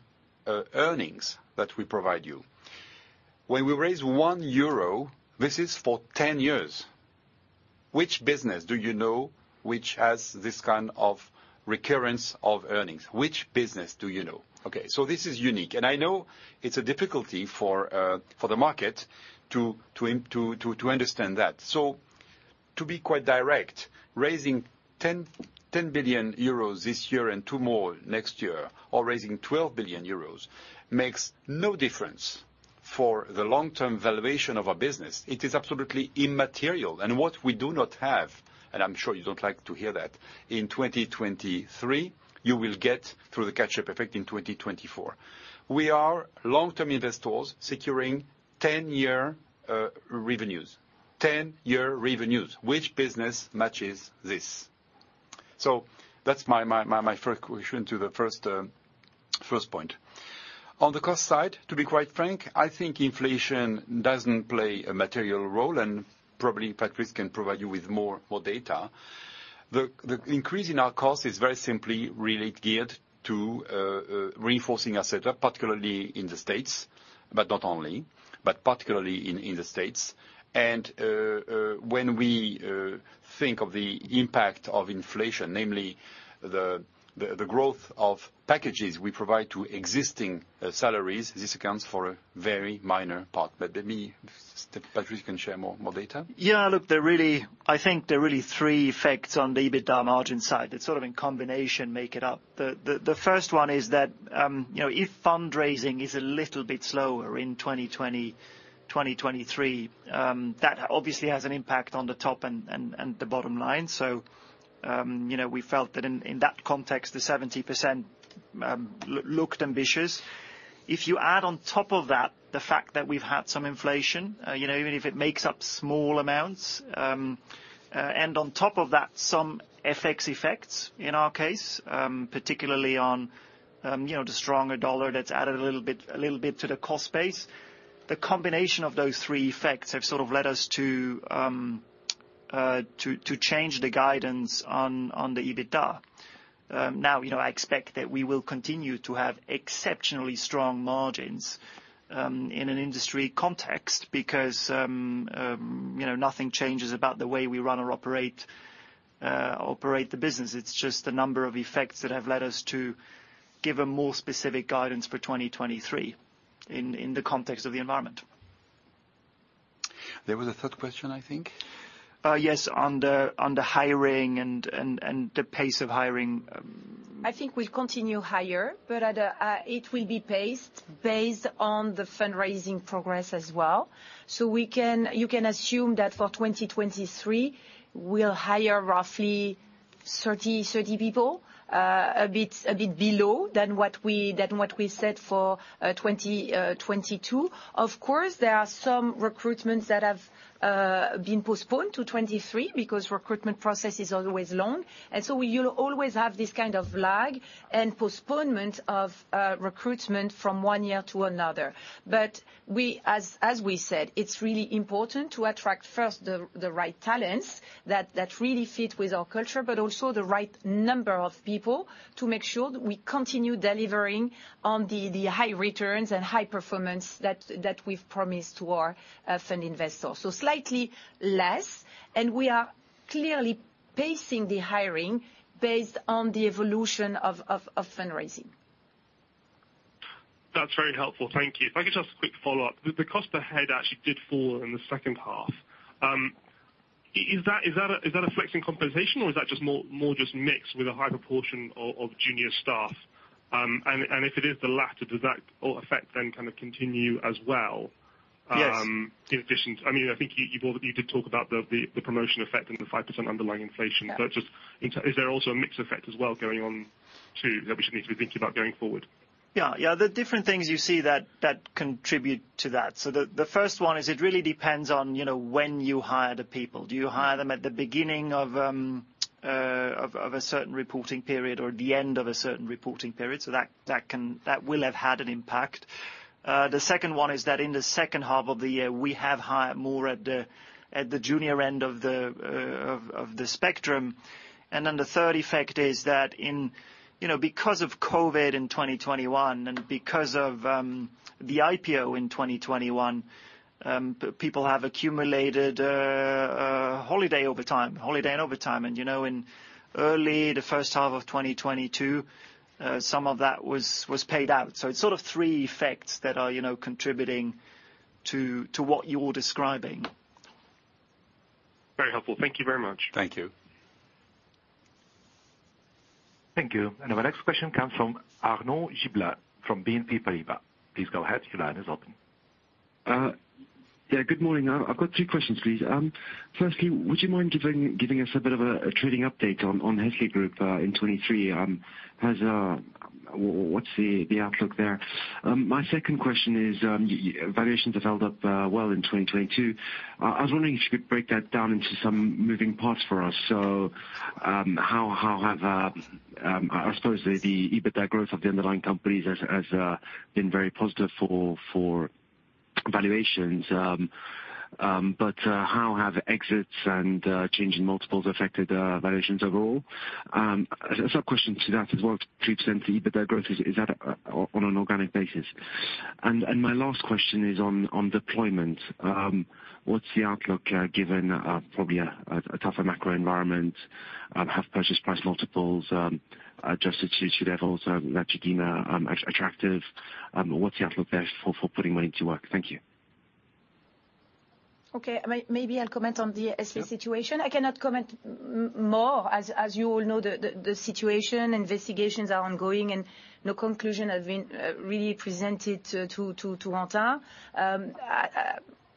earnings that we provide you. When we raise 1 euro, this is for 10 years. Which business do you know which has this kind of recurrence of earnings? Which business do you know? Okay, this is unique. I know it's a difficulty for the market to understand that. To be quite direct, raising 10 billion euros this year and two more next year or raising 12 billion euros makes no difference for the long-term valuation of our business. It is absolutely immaterial. What we do not have, and I'm sure you don't like to hear that, in 2023, you will get through the catch-up effect in 2024. We are long-term investors securing 10-year revenues. 10-year revenues. Which business matches this? That's my first question to the first point. On the cost side, to be quite frank, I think inflation doesn't play a material role, and probably Patrice can provide you with more data. The increase in our cost is very simply really geared to reinforcing our setup, particularly in the States, but not only, but particularly in the States. When we think of the impact of inflation, namely the growth of packages we provide to existing salaries, this accounts for a very minor part. Patrice can share more data. Yeah, look, I think there are really three effects on the EBITDA margin side that sort of in combination make it up. The first one is that, you know, if fundraising is a little bit slower in 2023, that obviously has an impact on the top and the bottom line. You know, we felt that in that context, the 70% looked ambitious. If you add on top of that the fact that we've had some inflation, you know, even if it makes up small amounts, and on top of that, some FX effects in our case, particularly on, you know, the stronger dollar that's added a little bit to the cost base. The combination of those three effects have sort of led us to change the guidance on the EBITDA. Now, you know, I expect that we will continue to have exceptionally strong margins in an industry context because, you know, nothing changes about the way we run or operate the business. It's just the number of effects that have led us to give a more specific guidance for 2023 in the context of the environment. There was a third question, I think. Yes, on the, on the hiring and the pace of hiring. I think we'll continue hire, but at a, it will be paced based on the fundraising progress as well. You can assume that for 2023, we'll hire roughly 30 people, a bit below than what we said for 2022. Of course, there are some recruitments that have been postponed to 2023 because recruitment process is always long. We'll always have this kind of lag and postponement of recruitment from one year to another. We, as we said, it's really important to attract first the right talents that really fit with our culture, but also the right number of people to make sure that we continue delivering on the high returns and high performance that we've promised to our fund investors. Slightly less, and we are clearly pacing the hiring based on the evolution of fundraising. That's very helpful, thank you. If I could just quick follow up. The cost per head actually did fall in the second half. Is that a flexing compensation or is that just mix with a high proportion of junior staff? If it is the latter, does that effect then kind of continue as well? Yes. In addition... I mean, I think you did talk about the promotion effect and the 5% underlying inflation. Yeah. Is there also a mix effect as well going on too that we should need to be thinking about going forward? Yeah, yeah. There are different things you see that contribute to that. The, the first one is it really depends on, you know, when you hire the people. Do you hire them at the beginning of, of a certain reporting period or the end of a certain reporting period? That, that can, that will have had an impact. The second one is that in the second half of the year, we have hired more at the, at the junior end of the, of the spectrum. The third effect is that in, you know, because of COVID in 2021 and because of the IPO in 2021, people have accumulated holiday overtime, holiday and overtime. You know, in early the first half of 2022, some of that was paid out. It's sort of three effects that are, you know, contributing to what you're describing. Very helpful. Thank you very much. Thank you. Thank you. Our next question comes from Arnaud Giblat, from BNP Paribas. Please go ahead. Your line is open. Yeah, good morning. I've got two questions, please. Firstly, would you mind giving us a bit of a trading update on Hesley Group in 2023? Has what's the outlook there? My second question is valuations have held up well in 2022. I was wondering if you could break that down into some moving parts for us. How have I suppose the EBITDA growth of the underlying companies has been very positive for valuations. How have exits and change in multiples affected valuations overall? A sub-question to that as well, 3% EBITDA growth, is that on an organic basis? My last question is on deployment. What's the outlook, given a tougher macro environment? Have purchase price multiples adjusted to levels that you deem are attractive? What's the outlook there for putting money to work? Thank you. Okay. Maybe I'll comment on the Hesley situation. Sure. I cannot comment more. As you all know, the situation, investigations are ongoing and no conclusion has been really presented to Antin.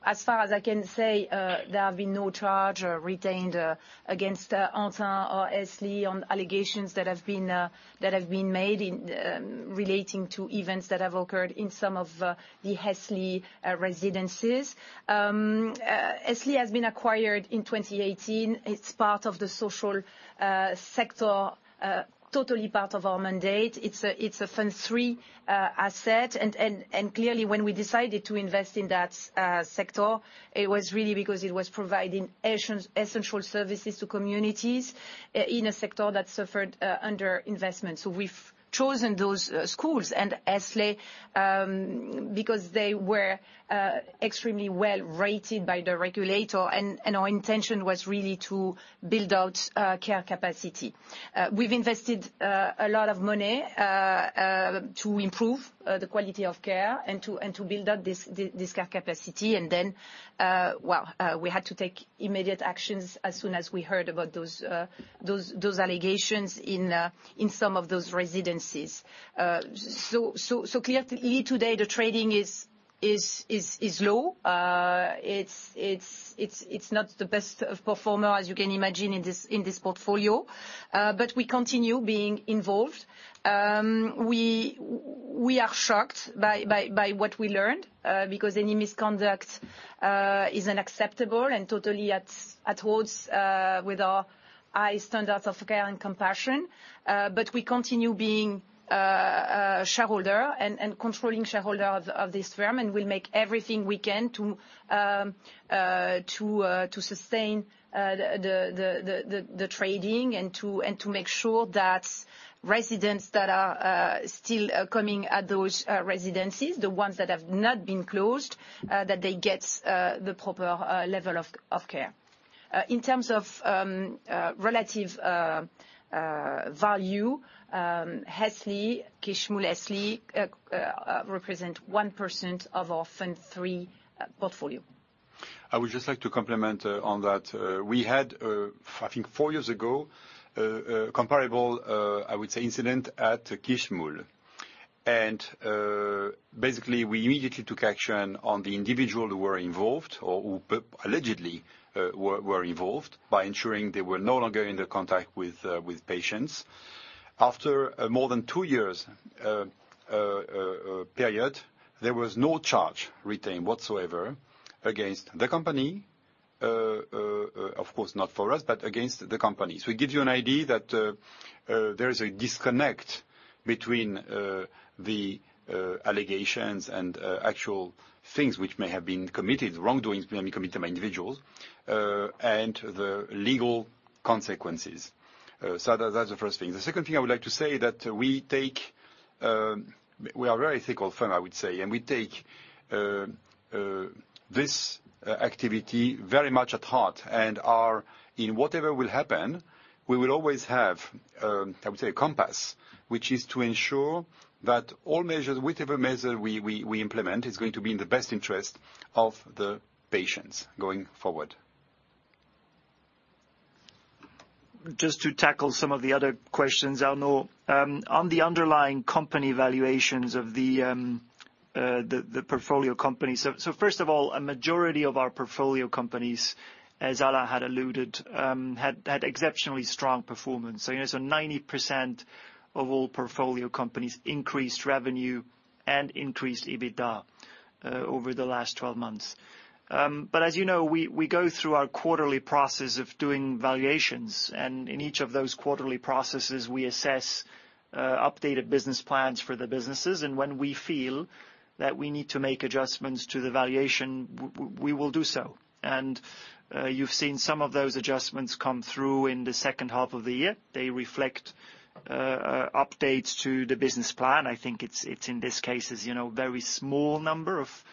As far as I can say, there have been no charge or retained against Antin or Hesley on allegations that have been made in relating to events that have occurred in some of the Hesley residences. Hesley has been acquired in 2018. It's part of the social sector, totally part of our mandate. It's a Fund III asset. Clearly, when we decided to invest in that sector, it was really because it was providing essential services to communities in a sector that suffered underinvestment. We've chosen those schools and Hesley because they were extremely well-rated by the regulator and our intention was really to build out care capacity. We've invested a lot of money to improve the quality of care and to build up this care capacity. Well, we had to take immediate actions as soon as we heard about those allegations in some of those residences. Clearly, today the trading is low. It's not the best of performer, as you can imagine, in this portfolio. We continue being involved. We are shocked by what we learned because any misconduct is unacceptable and totally at odds with our high standards of care and compassion. We continue being a shareholder and controlling shareholder of this firm, and we'll make everything we can to sustain the trading and to make sure that residents that are still coming at those residences, the ones that have not been closed, that they get the proper level of care. In terms of relative value, Hesley, Kisimul Hesley represent 1% of our Fund III portfolio. I would just like to complement on that. We had, I think four years ago, a comparable, I would say incident at Kisimul. Basically, we immediately took action on the individual who were involved or who allegedly were involved by ensuring they were no longer into contact with patients. After a more than two years period, there was no charge retained whatsoever against the company. Of course not for us, but against the company. It gives you an idea that there is a disconnect between the allegations and actual things which may have been committed, wrongdoings may have been committed by individuals, and the legal consequences. That's the first thing. The second thing I would like to say that we take... We are a very ethical firm, I would say, and we take this activity very much at heart and are in whatever will happen, we will always have, I would say a compass, which is to ensure that all measures, whichever measure we implement, is going to be in the best interest of the patients going forward. Just to tackle some of the other questions, Arnaud. On the underlying company valuations of the portfolio companies. First of all, a majority of our portfolio companies, as Alain had alluded, had exceptionally strong performance. You know, 90% of all portfolio companies increased revenue and increased EBITDA over the last 12 months. As you know, we go through our quarterly process of doing valuations, and in each of those quarterly processes, we assess updated business plans for the businesses. When we feel that we need to make adjustments to the valuation, we will do so. You've seen some of those adjustments come through in the second half of the year. They reflect updates to the business plan. I think it's in these cases, you know, very small number of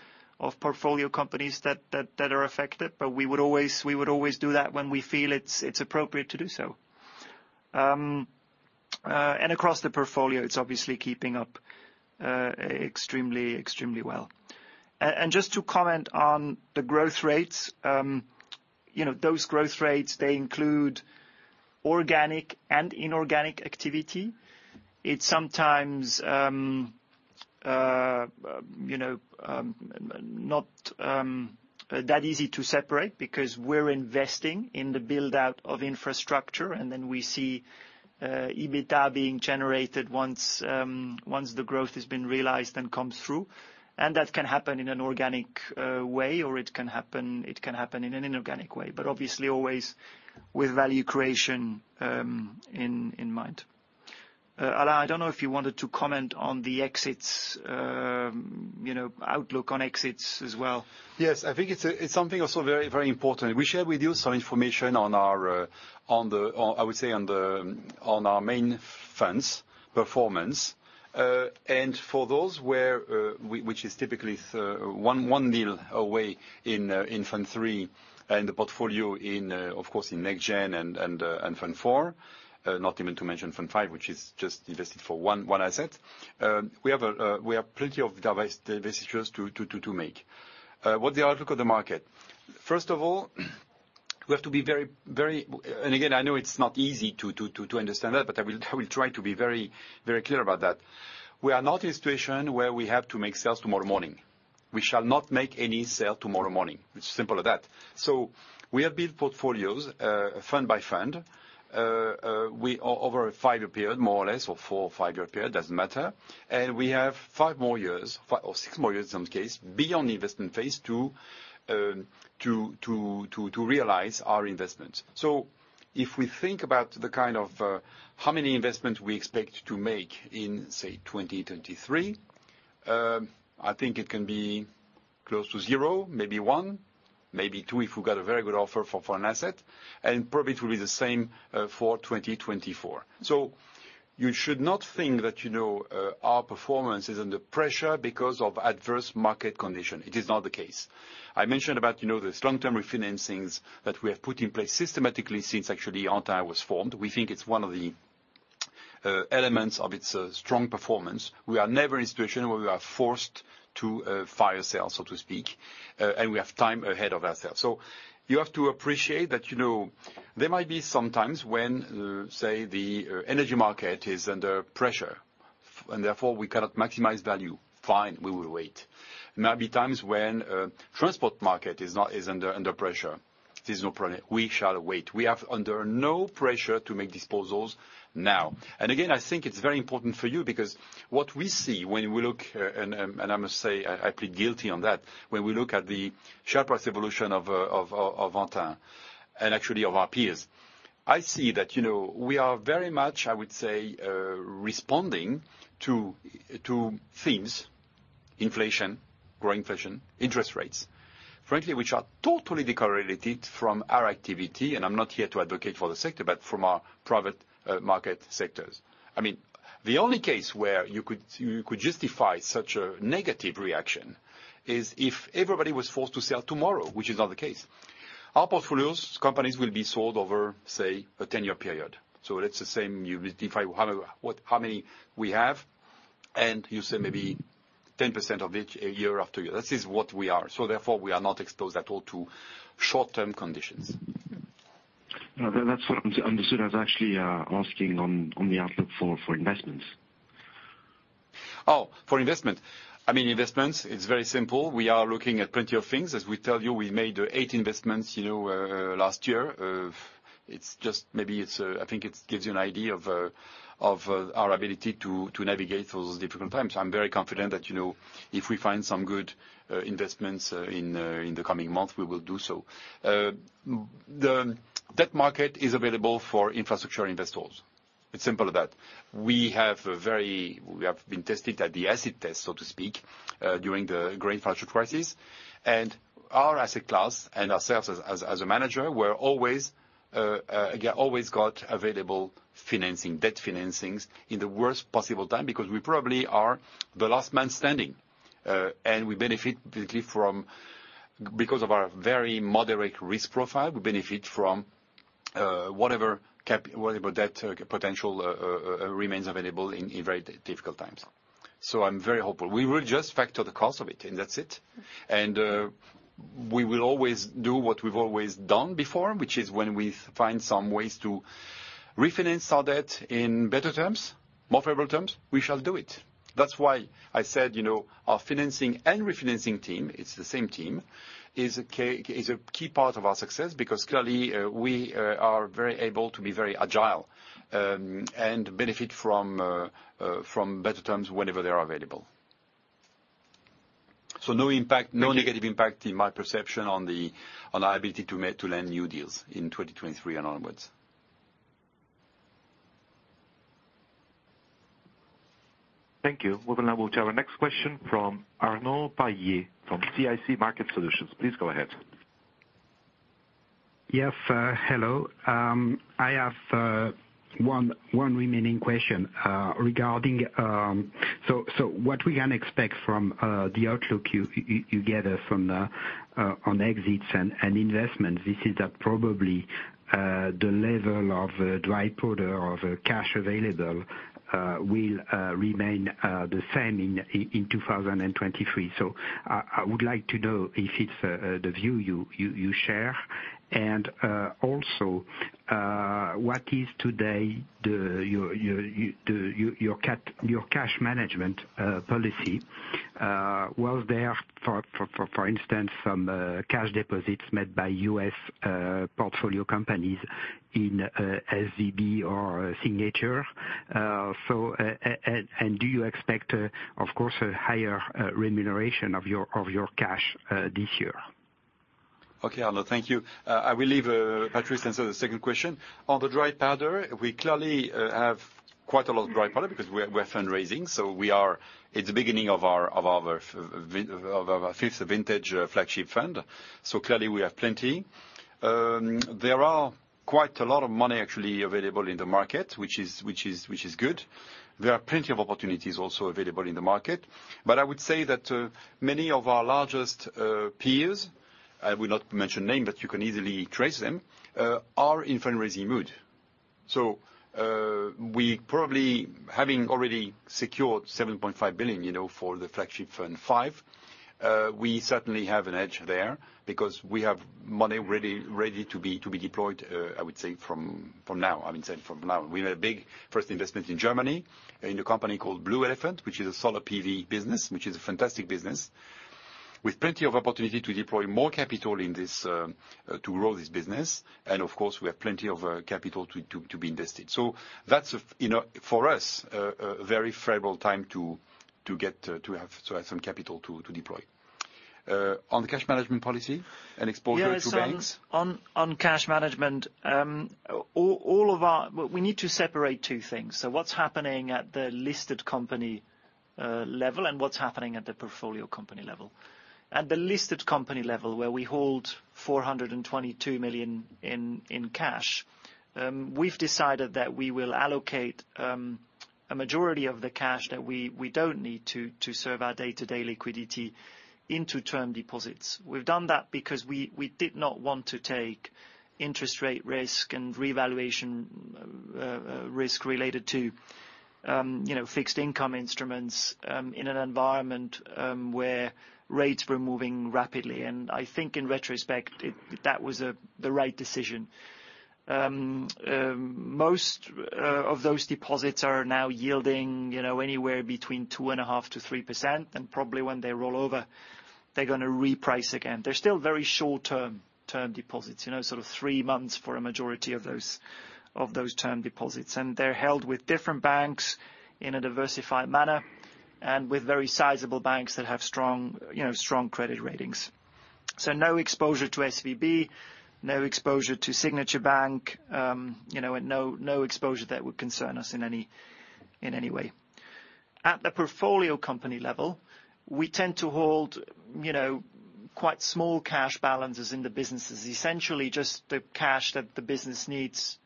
portfolio companies that are affected. We would always do that when we feel it's appropriate to do so. Across the portfolio, it's obviously keeping up extremely well. Just to comment on the growth rates. You know, those growth rates, they include organic and inorganic activity. It's sometimes, you know, not that easy to separate because we're investing in the build-out of infrastructure, and then we see EBITDA being generated once the growth has been realized and comes through. That can happen in an organic way, or it can happen in an inorganic way, but obviously always with value creation in mind. Alain, I don't know if you wanted to comment on the exits, you know, outlook on exits as well. Yes. I think it's something also very, very important. We shared with you some information on our main funds' performance. For those where, which is typically one deal away in Fund III, in the portfolio, in, of course, in NextGen and Fund IV, not even to mention Fund V, which is just invested for one asset. We have plenty of divestitures to make. What the outlook of the market. First of all, we have to be very. Again, I know it's not easy to understand that, but I will try to be very clear about that. We are not in a situation where we have to make sales tomorrow morning. We shall not make any sale tomorrow morning. It's simple as that. We have built portfolios, fund by fund, over a five-year period, more or less, or four or five-year period, doesn't matter. We have five more years or six more years in some case, beyond the investment phase to realize our investments. If we think about the kind of how many investments we expect to make in, say, 2023, I think it can be close to zero, maybe one, maybe two, if we got a very good offer for an asset. Probably it will be the same for 2024. You should not think that, you know, our performance is under pressure because of adverse market condition. It is not the case. I mentioned about, you know, this long-term refinancings that we have put in place systematically since actually Antin was formed. We think it's one of the elements of its strong performance. We are never in a situation where we are forced to fire sale, so to speak, and we have time ahead of ourselves. You have to appreciate that, you know, there might be some times when, say, the energy market is under pressure, and therefore we cannot maximize value. Fine, we will wait. There might be times when transport market is under pressure. There's no problem. We shall wait. We have under no pressure to make disposals now. Again, I think it's very important for you because what we see when we look, and I must say I plead guilty on that, when we look at the share price evolution of Antin and actually of our peers, I see that, you know, we are very much, I would say, responding to themes: inflation, growing inflation, interest rates, frankly, which are totally decorrelated from our activity. I'm not here to advocate for the sector, but from our private market sectors. I mean, the only case where you could justify such a negative reaction is if everybody was forced to sell tomorrow, which is not the case. Our portfolios, companies will be sold over, say, a 10-year period. That's the same. You identify how, what, how many we have, and you say maybe 10% of each year after year. This is what we are. Therefore, we are not exposed at all to short-term conditions. That's what I understood. I was actually asking on the outlook for investments. Oh, for investment. I mean, investments, it's very simple. We are looking at plenty of things. As we told you, we made eight investments, you know, last year. It's just maybe it's, I think it gives you an idea of our ability to navigate those difficult times. I'm very confident that, you know, if we find some good investments in the coming months, we will do so. The debt market is available for infrastructure investors. It's simple as that. We have been tested at the acid test, so to speak, during the great financial crisis. Our asset class and ourselves as a manager were always, again, always got available financing, debt financings in the worst possible time, because we probably are the last man standing. We benefit basically from, because of our very moderate risk profile, we benefit from whatever cap, whatever debt potential remains available in very difficult times. I'm very hopeful. We will just factor the cost of it, and that's it. We will always do what we've always done before, which is when we find some ways to refinance our debt in better terms, more favorable terms, we shall do it. That's why I said, you know, our financing and refinancing team, it's the same team, is a key part of our success, because clearly we are very able to be very agile and benefit from better terms whenever they are available. No impact, no negative impact in my perception on the, on our ability to make, to land new deals in 2023 and onwards. Thank you. We will now go to our next question from Arnaud Palliez from CIC Market Solutions. Please go ahead. Yes. Hello. I have one remaining question regarding what we can expect from the outlook you gather from the on exits and investment. This is that probably the level of dry powder of cash available will remain the same in 2023. I would like to know if it's the view you share. Also, what is today your cash management policy? Was there for instance some cash deposits made by U.S. portfolio companies in SVB or Signature? Do you expect of course a higher remuneration of your cash this year? Okay, Arnaud, thank you. I will leave Patrice answer the second question. On the dry powder, we clearly have quite a lot of dry powder because we're fundraising, we are at the beginning of our fifth vintage, Flagship Fund, clearly we have plenty. There are quite a lot of money actually available in the market, which is good. There are plenty of opportunities also available in the market. I would say that many of our largest peers, I will not mention name, but you can easily trace them, are in fundraising mood. We probably having already secured 7.5 billion, you know, for the Flagship Fund V, we certainly have an edge there because we have money ready to be deployed, I would say from now. I would say from now. We made a big first investment in Germany in a company called Blue Elephant Energy, which is a solar PV business, which is a fantastic business with plenty of opportunity to deploy more capital in this to grow this business. Of course, we have plenty of capital to be invested. That's, you know, for us, a very favorable time to get to have some capital to deploy. On the cash management policy and exposure to banks- Yes, on cash management, we need to separate two things. What's happening at the listed company level and what's happening at the portfolio company level. At the listed company level, where we hold 422 million in cash, we've decided that we will allocate a majority of the cash that we don't need to serve our day-to-day liquidity into term deposits. We've done that because we did not want to take interest rate risk and revaluation risk related to, you know, fixed income instruments in an environment where rates were moving rapidly. I think in retrospect, that was the right decision. Most of those deposits are now yielding, you know, anywhere between 2.5%-3%, and probably when they roll over, they're gonna reprice again. They're still very short-term, term deposits, you know, sort of three months for a majority of those term deposits. They're held with different banks in a diversified manner and with very sizable banks that have strong, you know, strong credit ratings. No exposure to SVB, no exposure to Signature Bank, you know, and no exposure that would concern us in any way. At the portfolio company level, we tend to hold, you know, quite small cash balances in the businesses, essentially just the cash that the business needs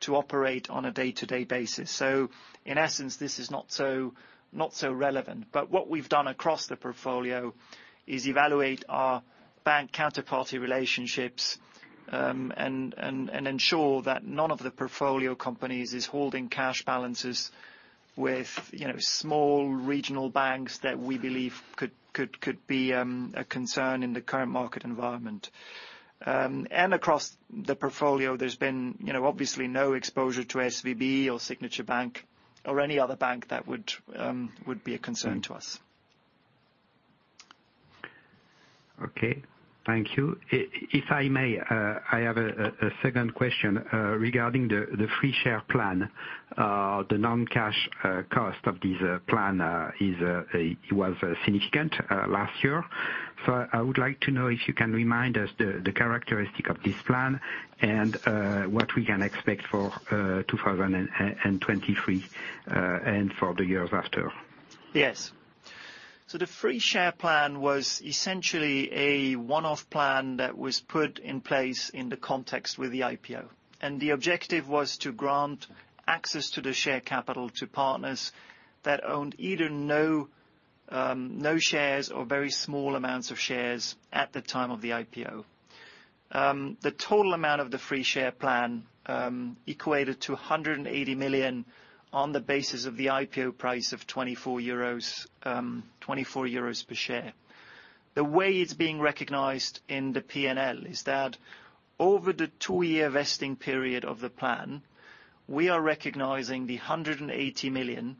to operate on a day-to-day basis. In essence, this is not so relevant. What we've done across the portfolio is evaluate our bank counterparty relationships, and ensure that none of the portfolio companies is holding cash balances with, you know, small regional banks that we believe could be a concern in the current market environment. And across the portfolio, there's been, you know, obviously no exposure to SVB or Signature Bank or any other bank that would be a concern to us. Okay. Thank you. If I may, I have a second question regarding the Free Share Plan. The non-cash cost of this plan is, was significant last year. I would like to know if you can remind us the characteristic of this plan and what we can expect for 2023 and for the years after. Yes. The Free Share Plan was essentially a one-off plan that was put in place in the context with the IPO. The objective was to grant access to the share capital to partners that owned either no shares or very small amounts of shares at the time of the IPO. The total amount of the Free Share Plan equated to 180 million on the basis of the IPO price of 24 euros, 24 euros per share. The way it's being recognized in the P&L is that over the two-year vesting period of the plan, we are recognizing the 180 million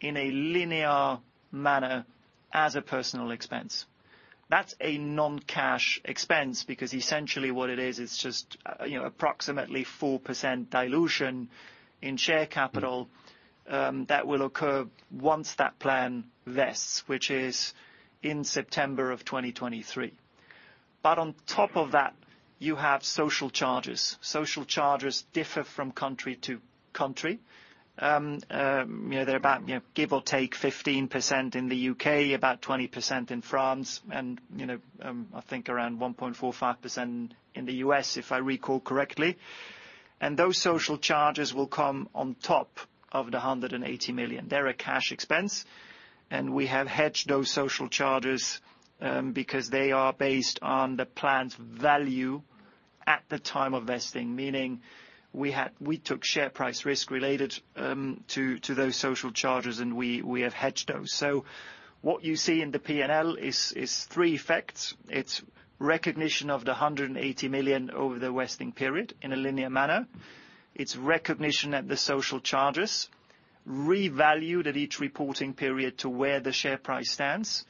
in a linear manner as a personal expense. That's a non-cash expense because essentially what it is, it's just approximately 4% dilution in share capital that will occur once that plan vests, which is in September of 2023. On top of that, you have social charges. Social charges differ from country to country. They're about give or take 15% in the U.K., about 20% in France and I think around 1.45% in the U.S., if I recall correctly. Those social charges will come on top of the 180 million. They're a cash expense, and we have hedged those social charges because they are based on the plan's value at the time of vesting. Meaning we took share price risk related to those social charges and we have hedged those. What you see in the P&L is three effects. It's recognition of the 180 million over the vesting period in a linear manner. It's recognition that the social charges revalued at each reporting period to where the share price stands,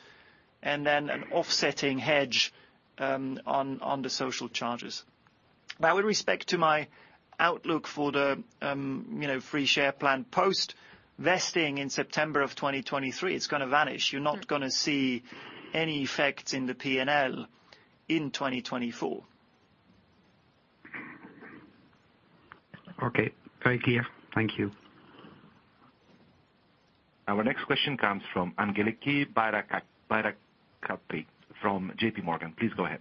and then an offsetting hedge on the social charges. With respect to my outlook for the, you know, Free Share Plan, post vesting in September of 2023, it's gonna vanish. You're not gonna see any effect in the P&L in 2024. Okay, very clear. Thank you. Our next question comes from Angeliki Bairaktari from JPMorgan, please go ahead.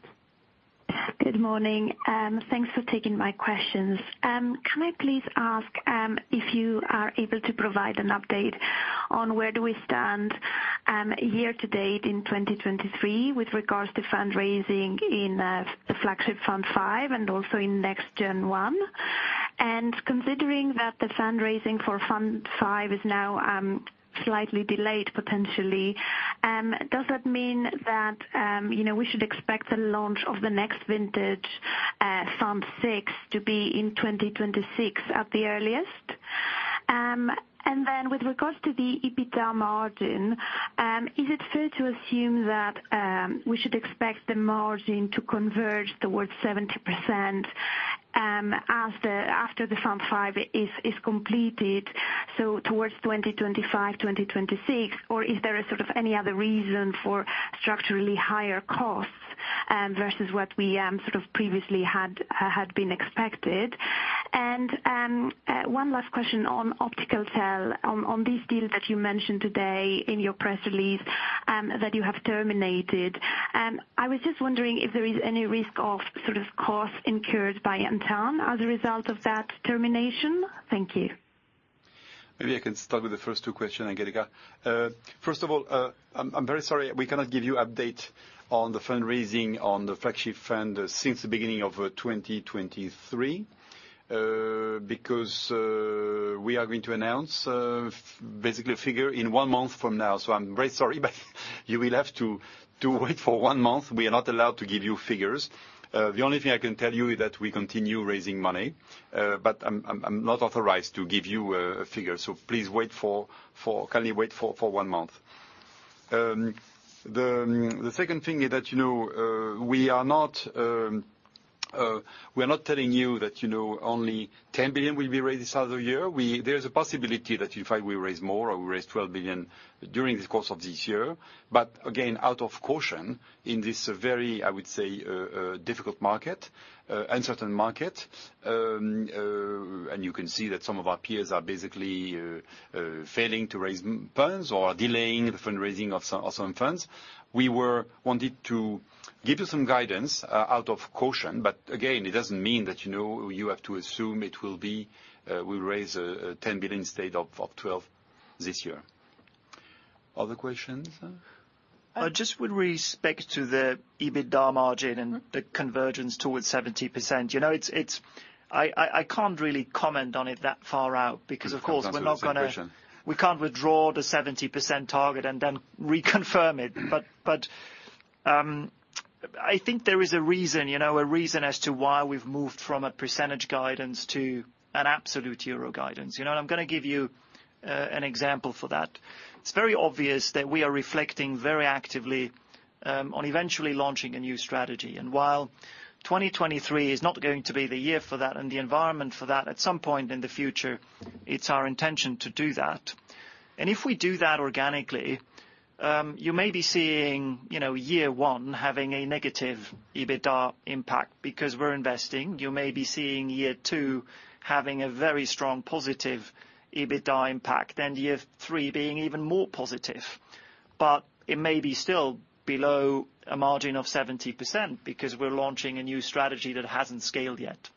Good morning, thanks for taking my questions. Can I please ask if you are able to provide an update on where do we stand year to date in 2023 with regards to fundraising in the Flagship Fund V and also in NextGen Fund I? Considering that the fundraising for Fund V is now slightly delayed potentially, does that mean that, you know, we should expect a launch of the next vintage Fund VI to be in 2026 at the earliest? With regards to the EBITDA margin, is it fair to assume that we should expect the margin to converge towards 70% after the Fund V is completed, so towards 2025, 2026? Is there a sort of any other reason for structurally higher costs, versus what we sort of previously had been expected? One last question on OpticalTel. On this deal that you mentioned today in your press release, that you have terminated, I was just wondering if there is any risk of sort of costs incurred by Antin as a result of that termination. Thank you. Maybe I can start with the first two questions, Angeliki. First of all, I'm very sorry we cannot give you an update on the fundraising on the Flagship Fund since the beginning of 2023 because we are going to announce basically a figure in one month from now. I'm very sorry, but you will have to wait for one month. We are not allowed to give you figures. The only thing I can tell you is that we continue raising money, but I'm not authorized to give you a figure. Please wait for, kindly wait for one month. The second thing is that, you know, we are not telling you that, you know, only 10 billion will be raised this other year. There is a possibility that in fact we raise more or we raise 12 billion during the course of this year. Again, out of caution in this very, I would say, difficult market, uncertain market, and you can see that some of our peers are basically failing to raise funds or delaying the fundraising of some funds. We wanted to give you some guidance out of caution. Again, it doesn't mean that, you know, you have to assume it will be, we raise 10 billion instead of 12 billion this year. Other questions? Just with respect to the EBITDA margin and the convergence towards 70%. You know, it's I can't really comment on it that far out because of course we're not gonna. That's a good question. We can't withdraw the 70% target and then reconfirm it. I think there is a reason, you know, a reason as to why we've moved from a percentage guidance to an absolute euro guidance. You know, I'm gonna give you an example for that. It's very obvious that we are reflecting very actively on eventually launching a new strategy. While 2023 is not going to be the year for that and the environment for that, at some point in the future, it's our intention to do that. If we do that organically, you may be seeing, you know, year one having a negative EBITDA impact because we're investing. You may be seeing year two having a very strong positive EBITDA impact, year three being even more positive. It may be still below a margin of 70% because we're launching a new strategy that hasn't scaled yet.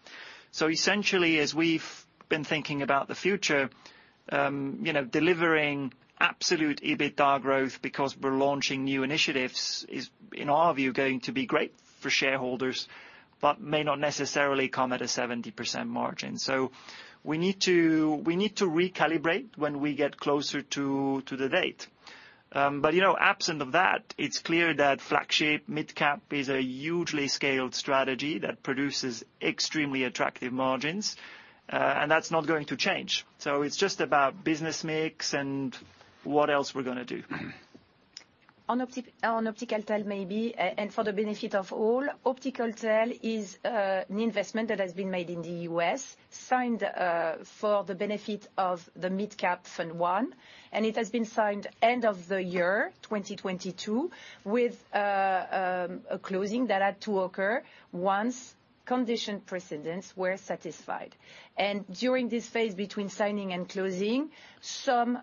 Essentially, as we've been thinking about the future, you know, delivering absolute EBITDA growth because we're launching new initiatives is, in our view, going to be great for shareholders, but may not necessarily come at a 70% margin. We need to recalibrate when we get closer to the date. You know, absent of that, it's clear that Flagship Mid Cap is a hugely scaled strategy that produces extremely attractive margins, and that's not going to change. It's just about business mix and what else we're gonna do. On OpticalTel maybe, for the benefit of all, OpticalTel is an investment that has been made in the U.S., signed for the benefit of the Mid Cap Fund I, it has been signed end of the year 2022, with a closing that had to occur once condition precedents were satisfied. During this phase between signing and closing, some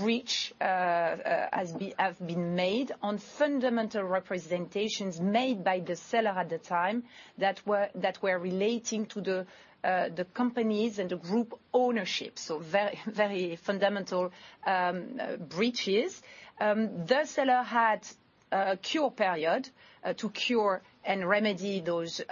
breach have been made on fundamental representations made by the seller at the time that were relating to the company's and the group ownership. Very, very fundamental breaches. The seller had a cure period to cure and remedy those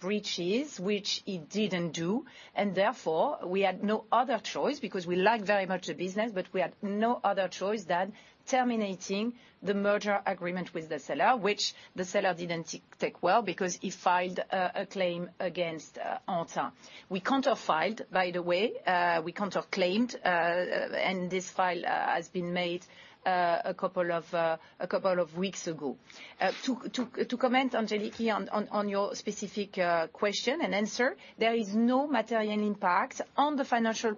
breaches which he didn't do, and therefore, we had no other choice because we like very much the business, but we had no other choice than terminating the merger agreement with the seller, which the seller didn't take well because he filed a claim against Antin. We counter filed, by the way, we counter claimed, and this file has been made a couple of weeks ago. To comment Angeliki on your specific question and answer, there is no material impact on the financial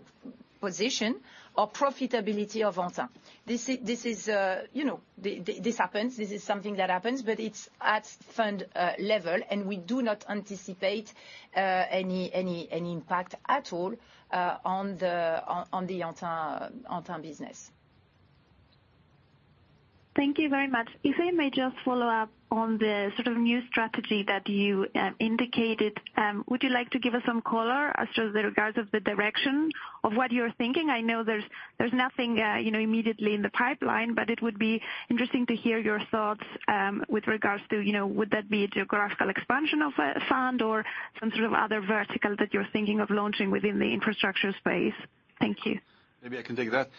position or profitability of Antin. This is, you know, this happens, this is something that happens, but it's at fund level. We do not anticipate any impact at all, on the Antin business. Thank you very much. If I may just follow up on the sort of new strategy that you indicated, would you like to give us some color as to the regards of the direction of what you're thinking? I know there's nothing, you know, immediately in the pipeline, but it would be interesting to hear your thoughts with regards to, you know, would that be a geographical expansion of a fund or some sort of other vertical that you're thinking of launching within the infrastructure space? Thank you. Maybe I can take that.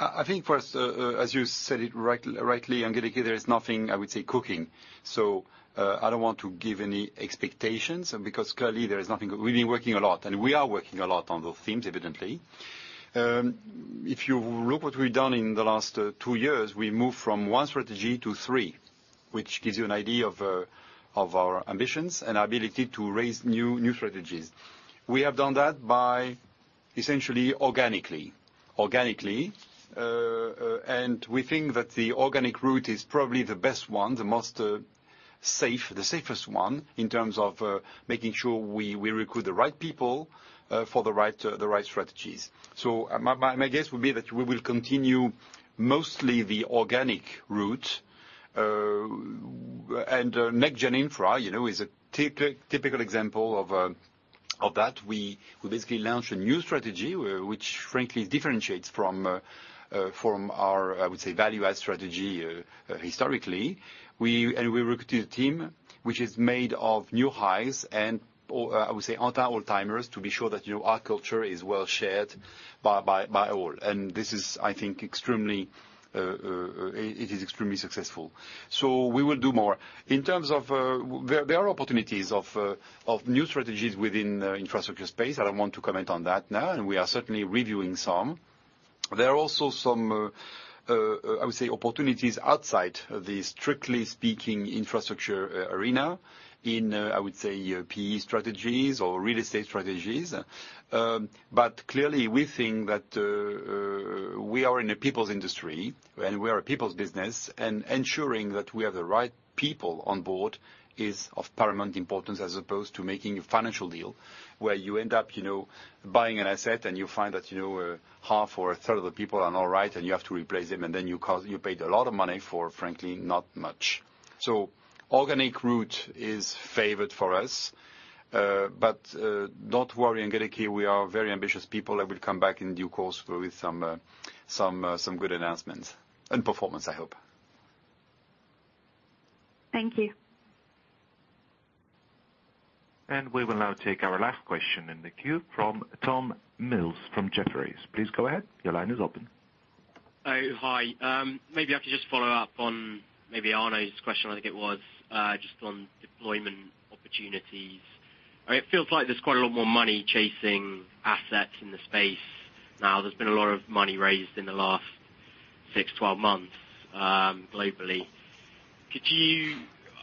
I think first, as you said it rightly, Angeliki, there is nothing, I would say, cooking. I don't want to give any expectations, because currently, there is nothing. We've been working a lot, and we are working a lot on those things, evidently. If you look what we've done in the last two years, we moved from one strategy to three, which gives you an idea of our ambitions and ability to raise new strategies. We have done that by essentially organically. We think that the organic route is probably the best one, the most safe, the safest one in terms of making sure we recruit the right people for the right strategies. My guess would be that we will continue mostly the organic route. NextGen, you know, is a typical example of that. We basically launched a new strategy which frankly differentiates from our, I would say, value-add strategy historically. And we recruited a team which is made of new hires and, or I would say Antin old-timers, to be sure that, you know, our culture is well shared by all. This is, I think, extremely, it is extremely successful. We will do more. In terms of there are opportunities of new strategies within infrastructure space. I don't want to comment on that now, we are certainly reviewing some. There are also some, I would say, opportunities outside the strictly speaking infrastructure arena in, I would say, PE strategies or real estate strategies. Clearly we think that we are in a people's industry, and we are a people's business. Ensuring that we have the right people on board is of paramount importance as opposed to making a financial deal where you end up, you know, buying an asset and you find that, you know, half or a third of the people are not right and you have to replace them, and then You paid a lot of money for, frankly, not much. Organic route is favored for us. Not to worry, Angeliki, we are very ambitious people and we'll come back in due course with some good announcements and performance, I hope. Thank you. We will now take our last question in the queue from Tom Mills from Jefferies. Please go ahead. Your line is open. Oh, hi. maybe I could just follow up on maybe Arnaud's question, I think it was, just on deployment opportunities. It feels like there's quite a lot more money chasing assets in the space now. There's been a lot of money raised in the last six, 12 months, globally.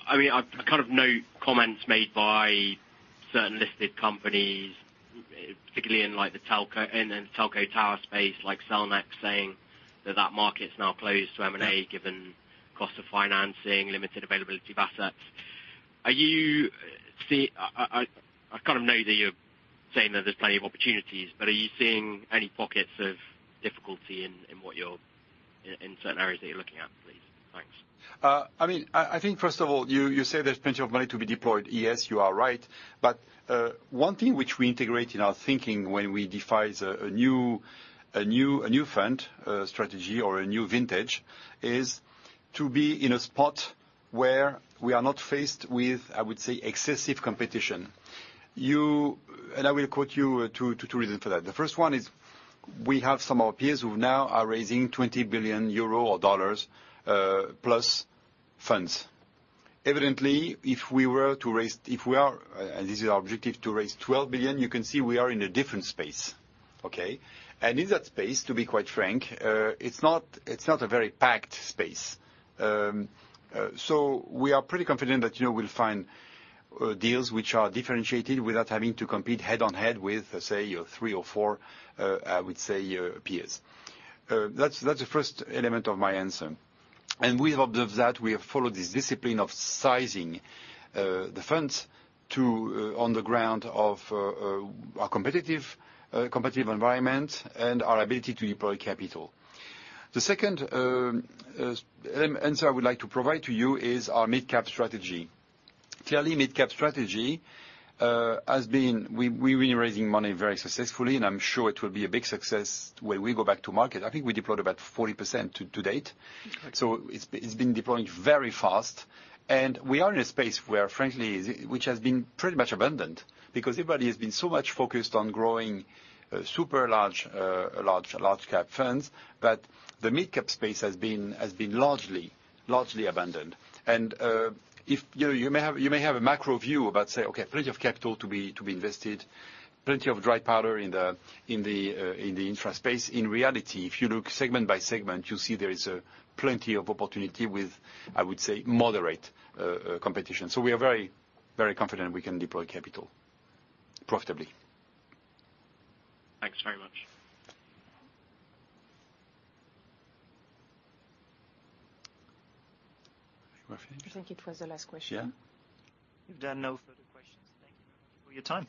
I mean, I kind of note comments made by certain listed companies, particularly in, like the telco, in the telco tower space, like Cellnex saying that that market's now closed to M&A given cost of financing, limited availability of assets. I kind of know that you're saying that there's plenty of opportunities, but are you seeing any pockets of difficulty in what you're, in certain areas that you're looking at, please? Thanks. I mean, I think first of all, you say there's plenty of money to be deployed. Yes, you are right. One thing which we integrate in our thinking when we define a new fund strategy or a new vintage, is to be in a spot where we are not faced with, I would say, excessive competition. I will quote you two reasons for that. The first one is we have some of our peers who now are raising 20 billion euro or dollars plus funds. Evidently, if we were to raise, if we are, and this is our objective, to raise 12 billion, you can see we are in a different space. Okay. In that space, to be quite frank, it's not a very packed space. We are pretty confident that, you know, we'll find deals which are differentiated without having to compete head on head with, say, your three or four, I would say, peers. That's the first element of my answer. We have observed that. We have followed this discipline of sizing the funds to on the ground of a competitive competitive environment and our ability to deploy capital. The second answer I would like to provide to you is our midcap strategy. Clearly, midcap strategy has been. We've been raising money very successfully, and I'm sure it will be a big success when we go back to market. I think we deployed about 40% to date. It's been deploying very fast. We are in a space where, frankly, which has been pretty much abandoned because everybody has been so much focused on growing super large cap funds. The midcap space has been largely abandoned. If you may have a macro view about, say, okay, plenty of capital to be invested, plenty of dry powder in the infra space. In reality, if you look segment by segment, you see there is plenty of opportunity with, I would say, moderate competition. We are very, very confident we can deploy capital profitably. Thanks very much. Next question? I think it was the last question. Yeah. We've done. No further questions. Thank you for your time.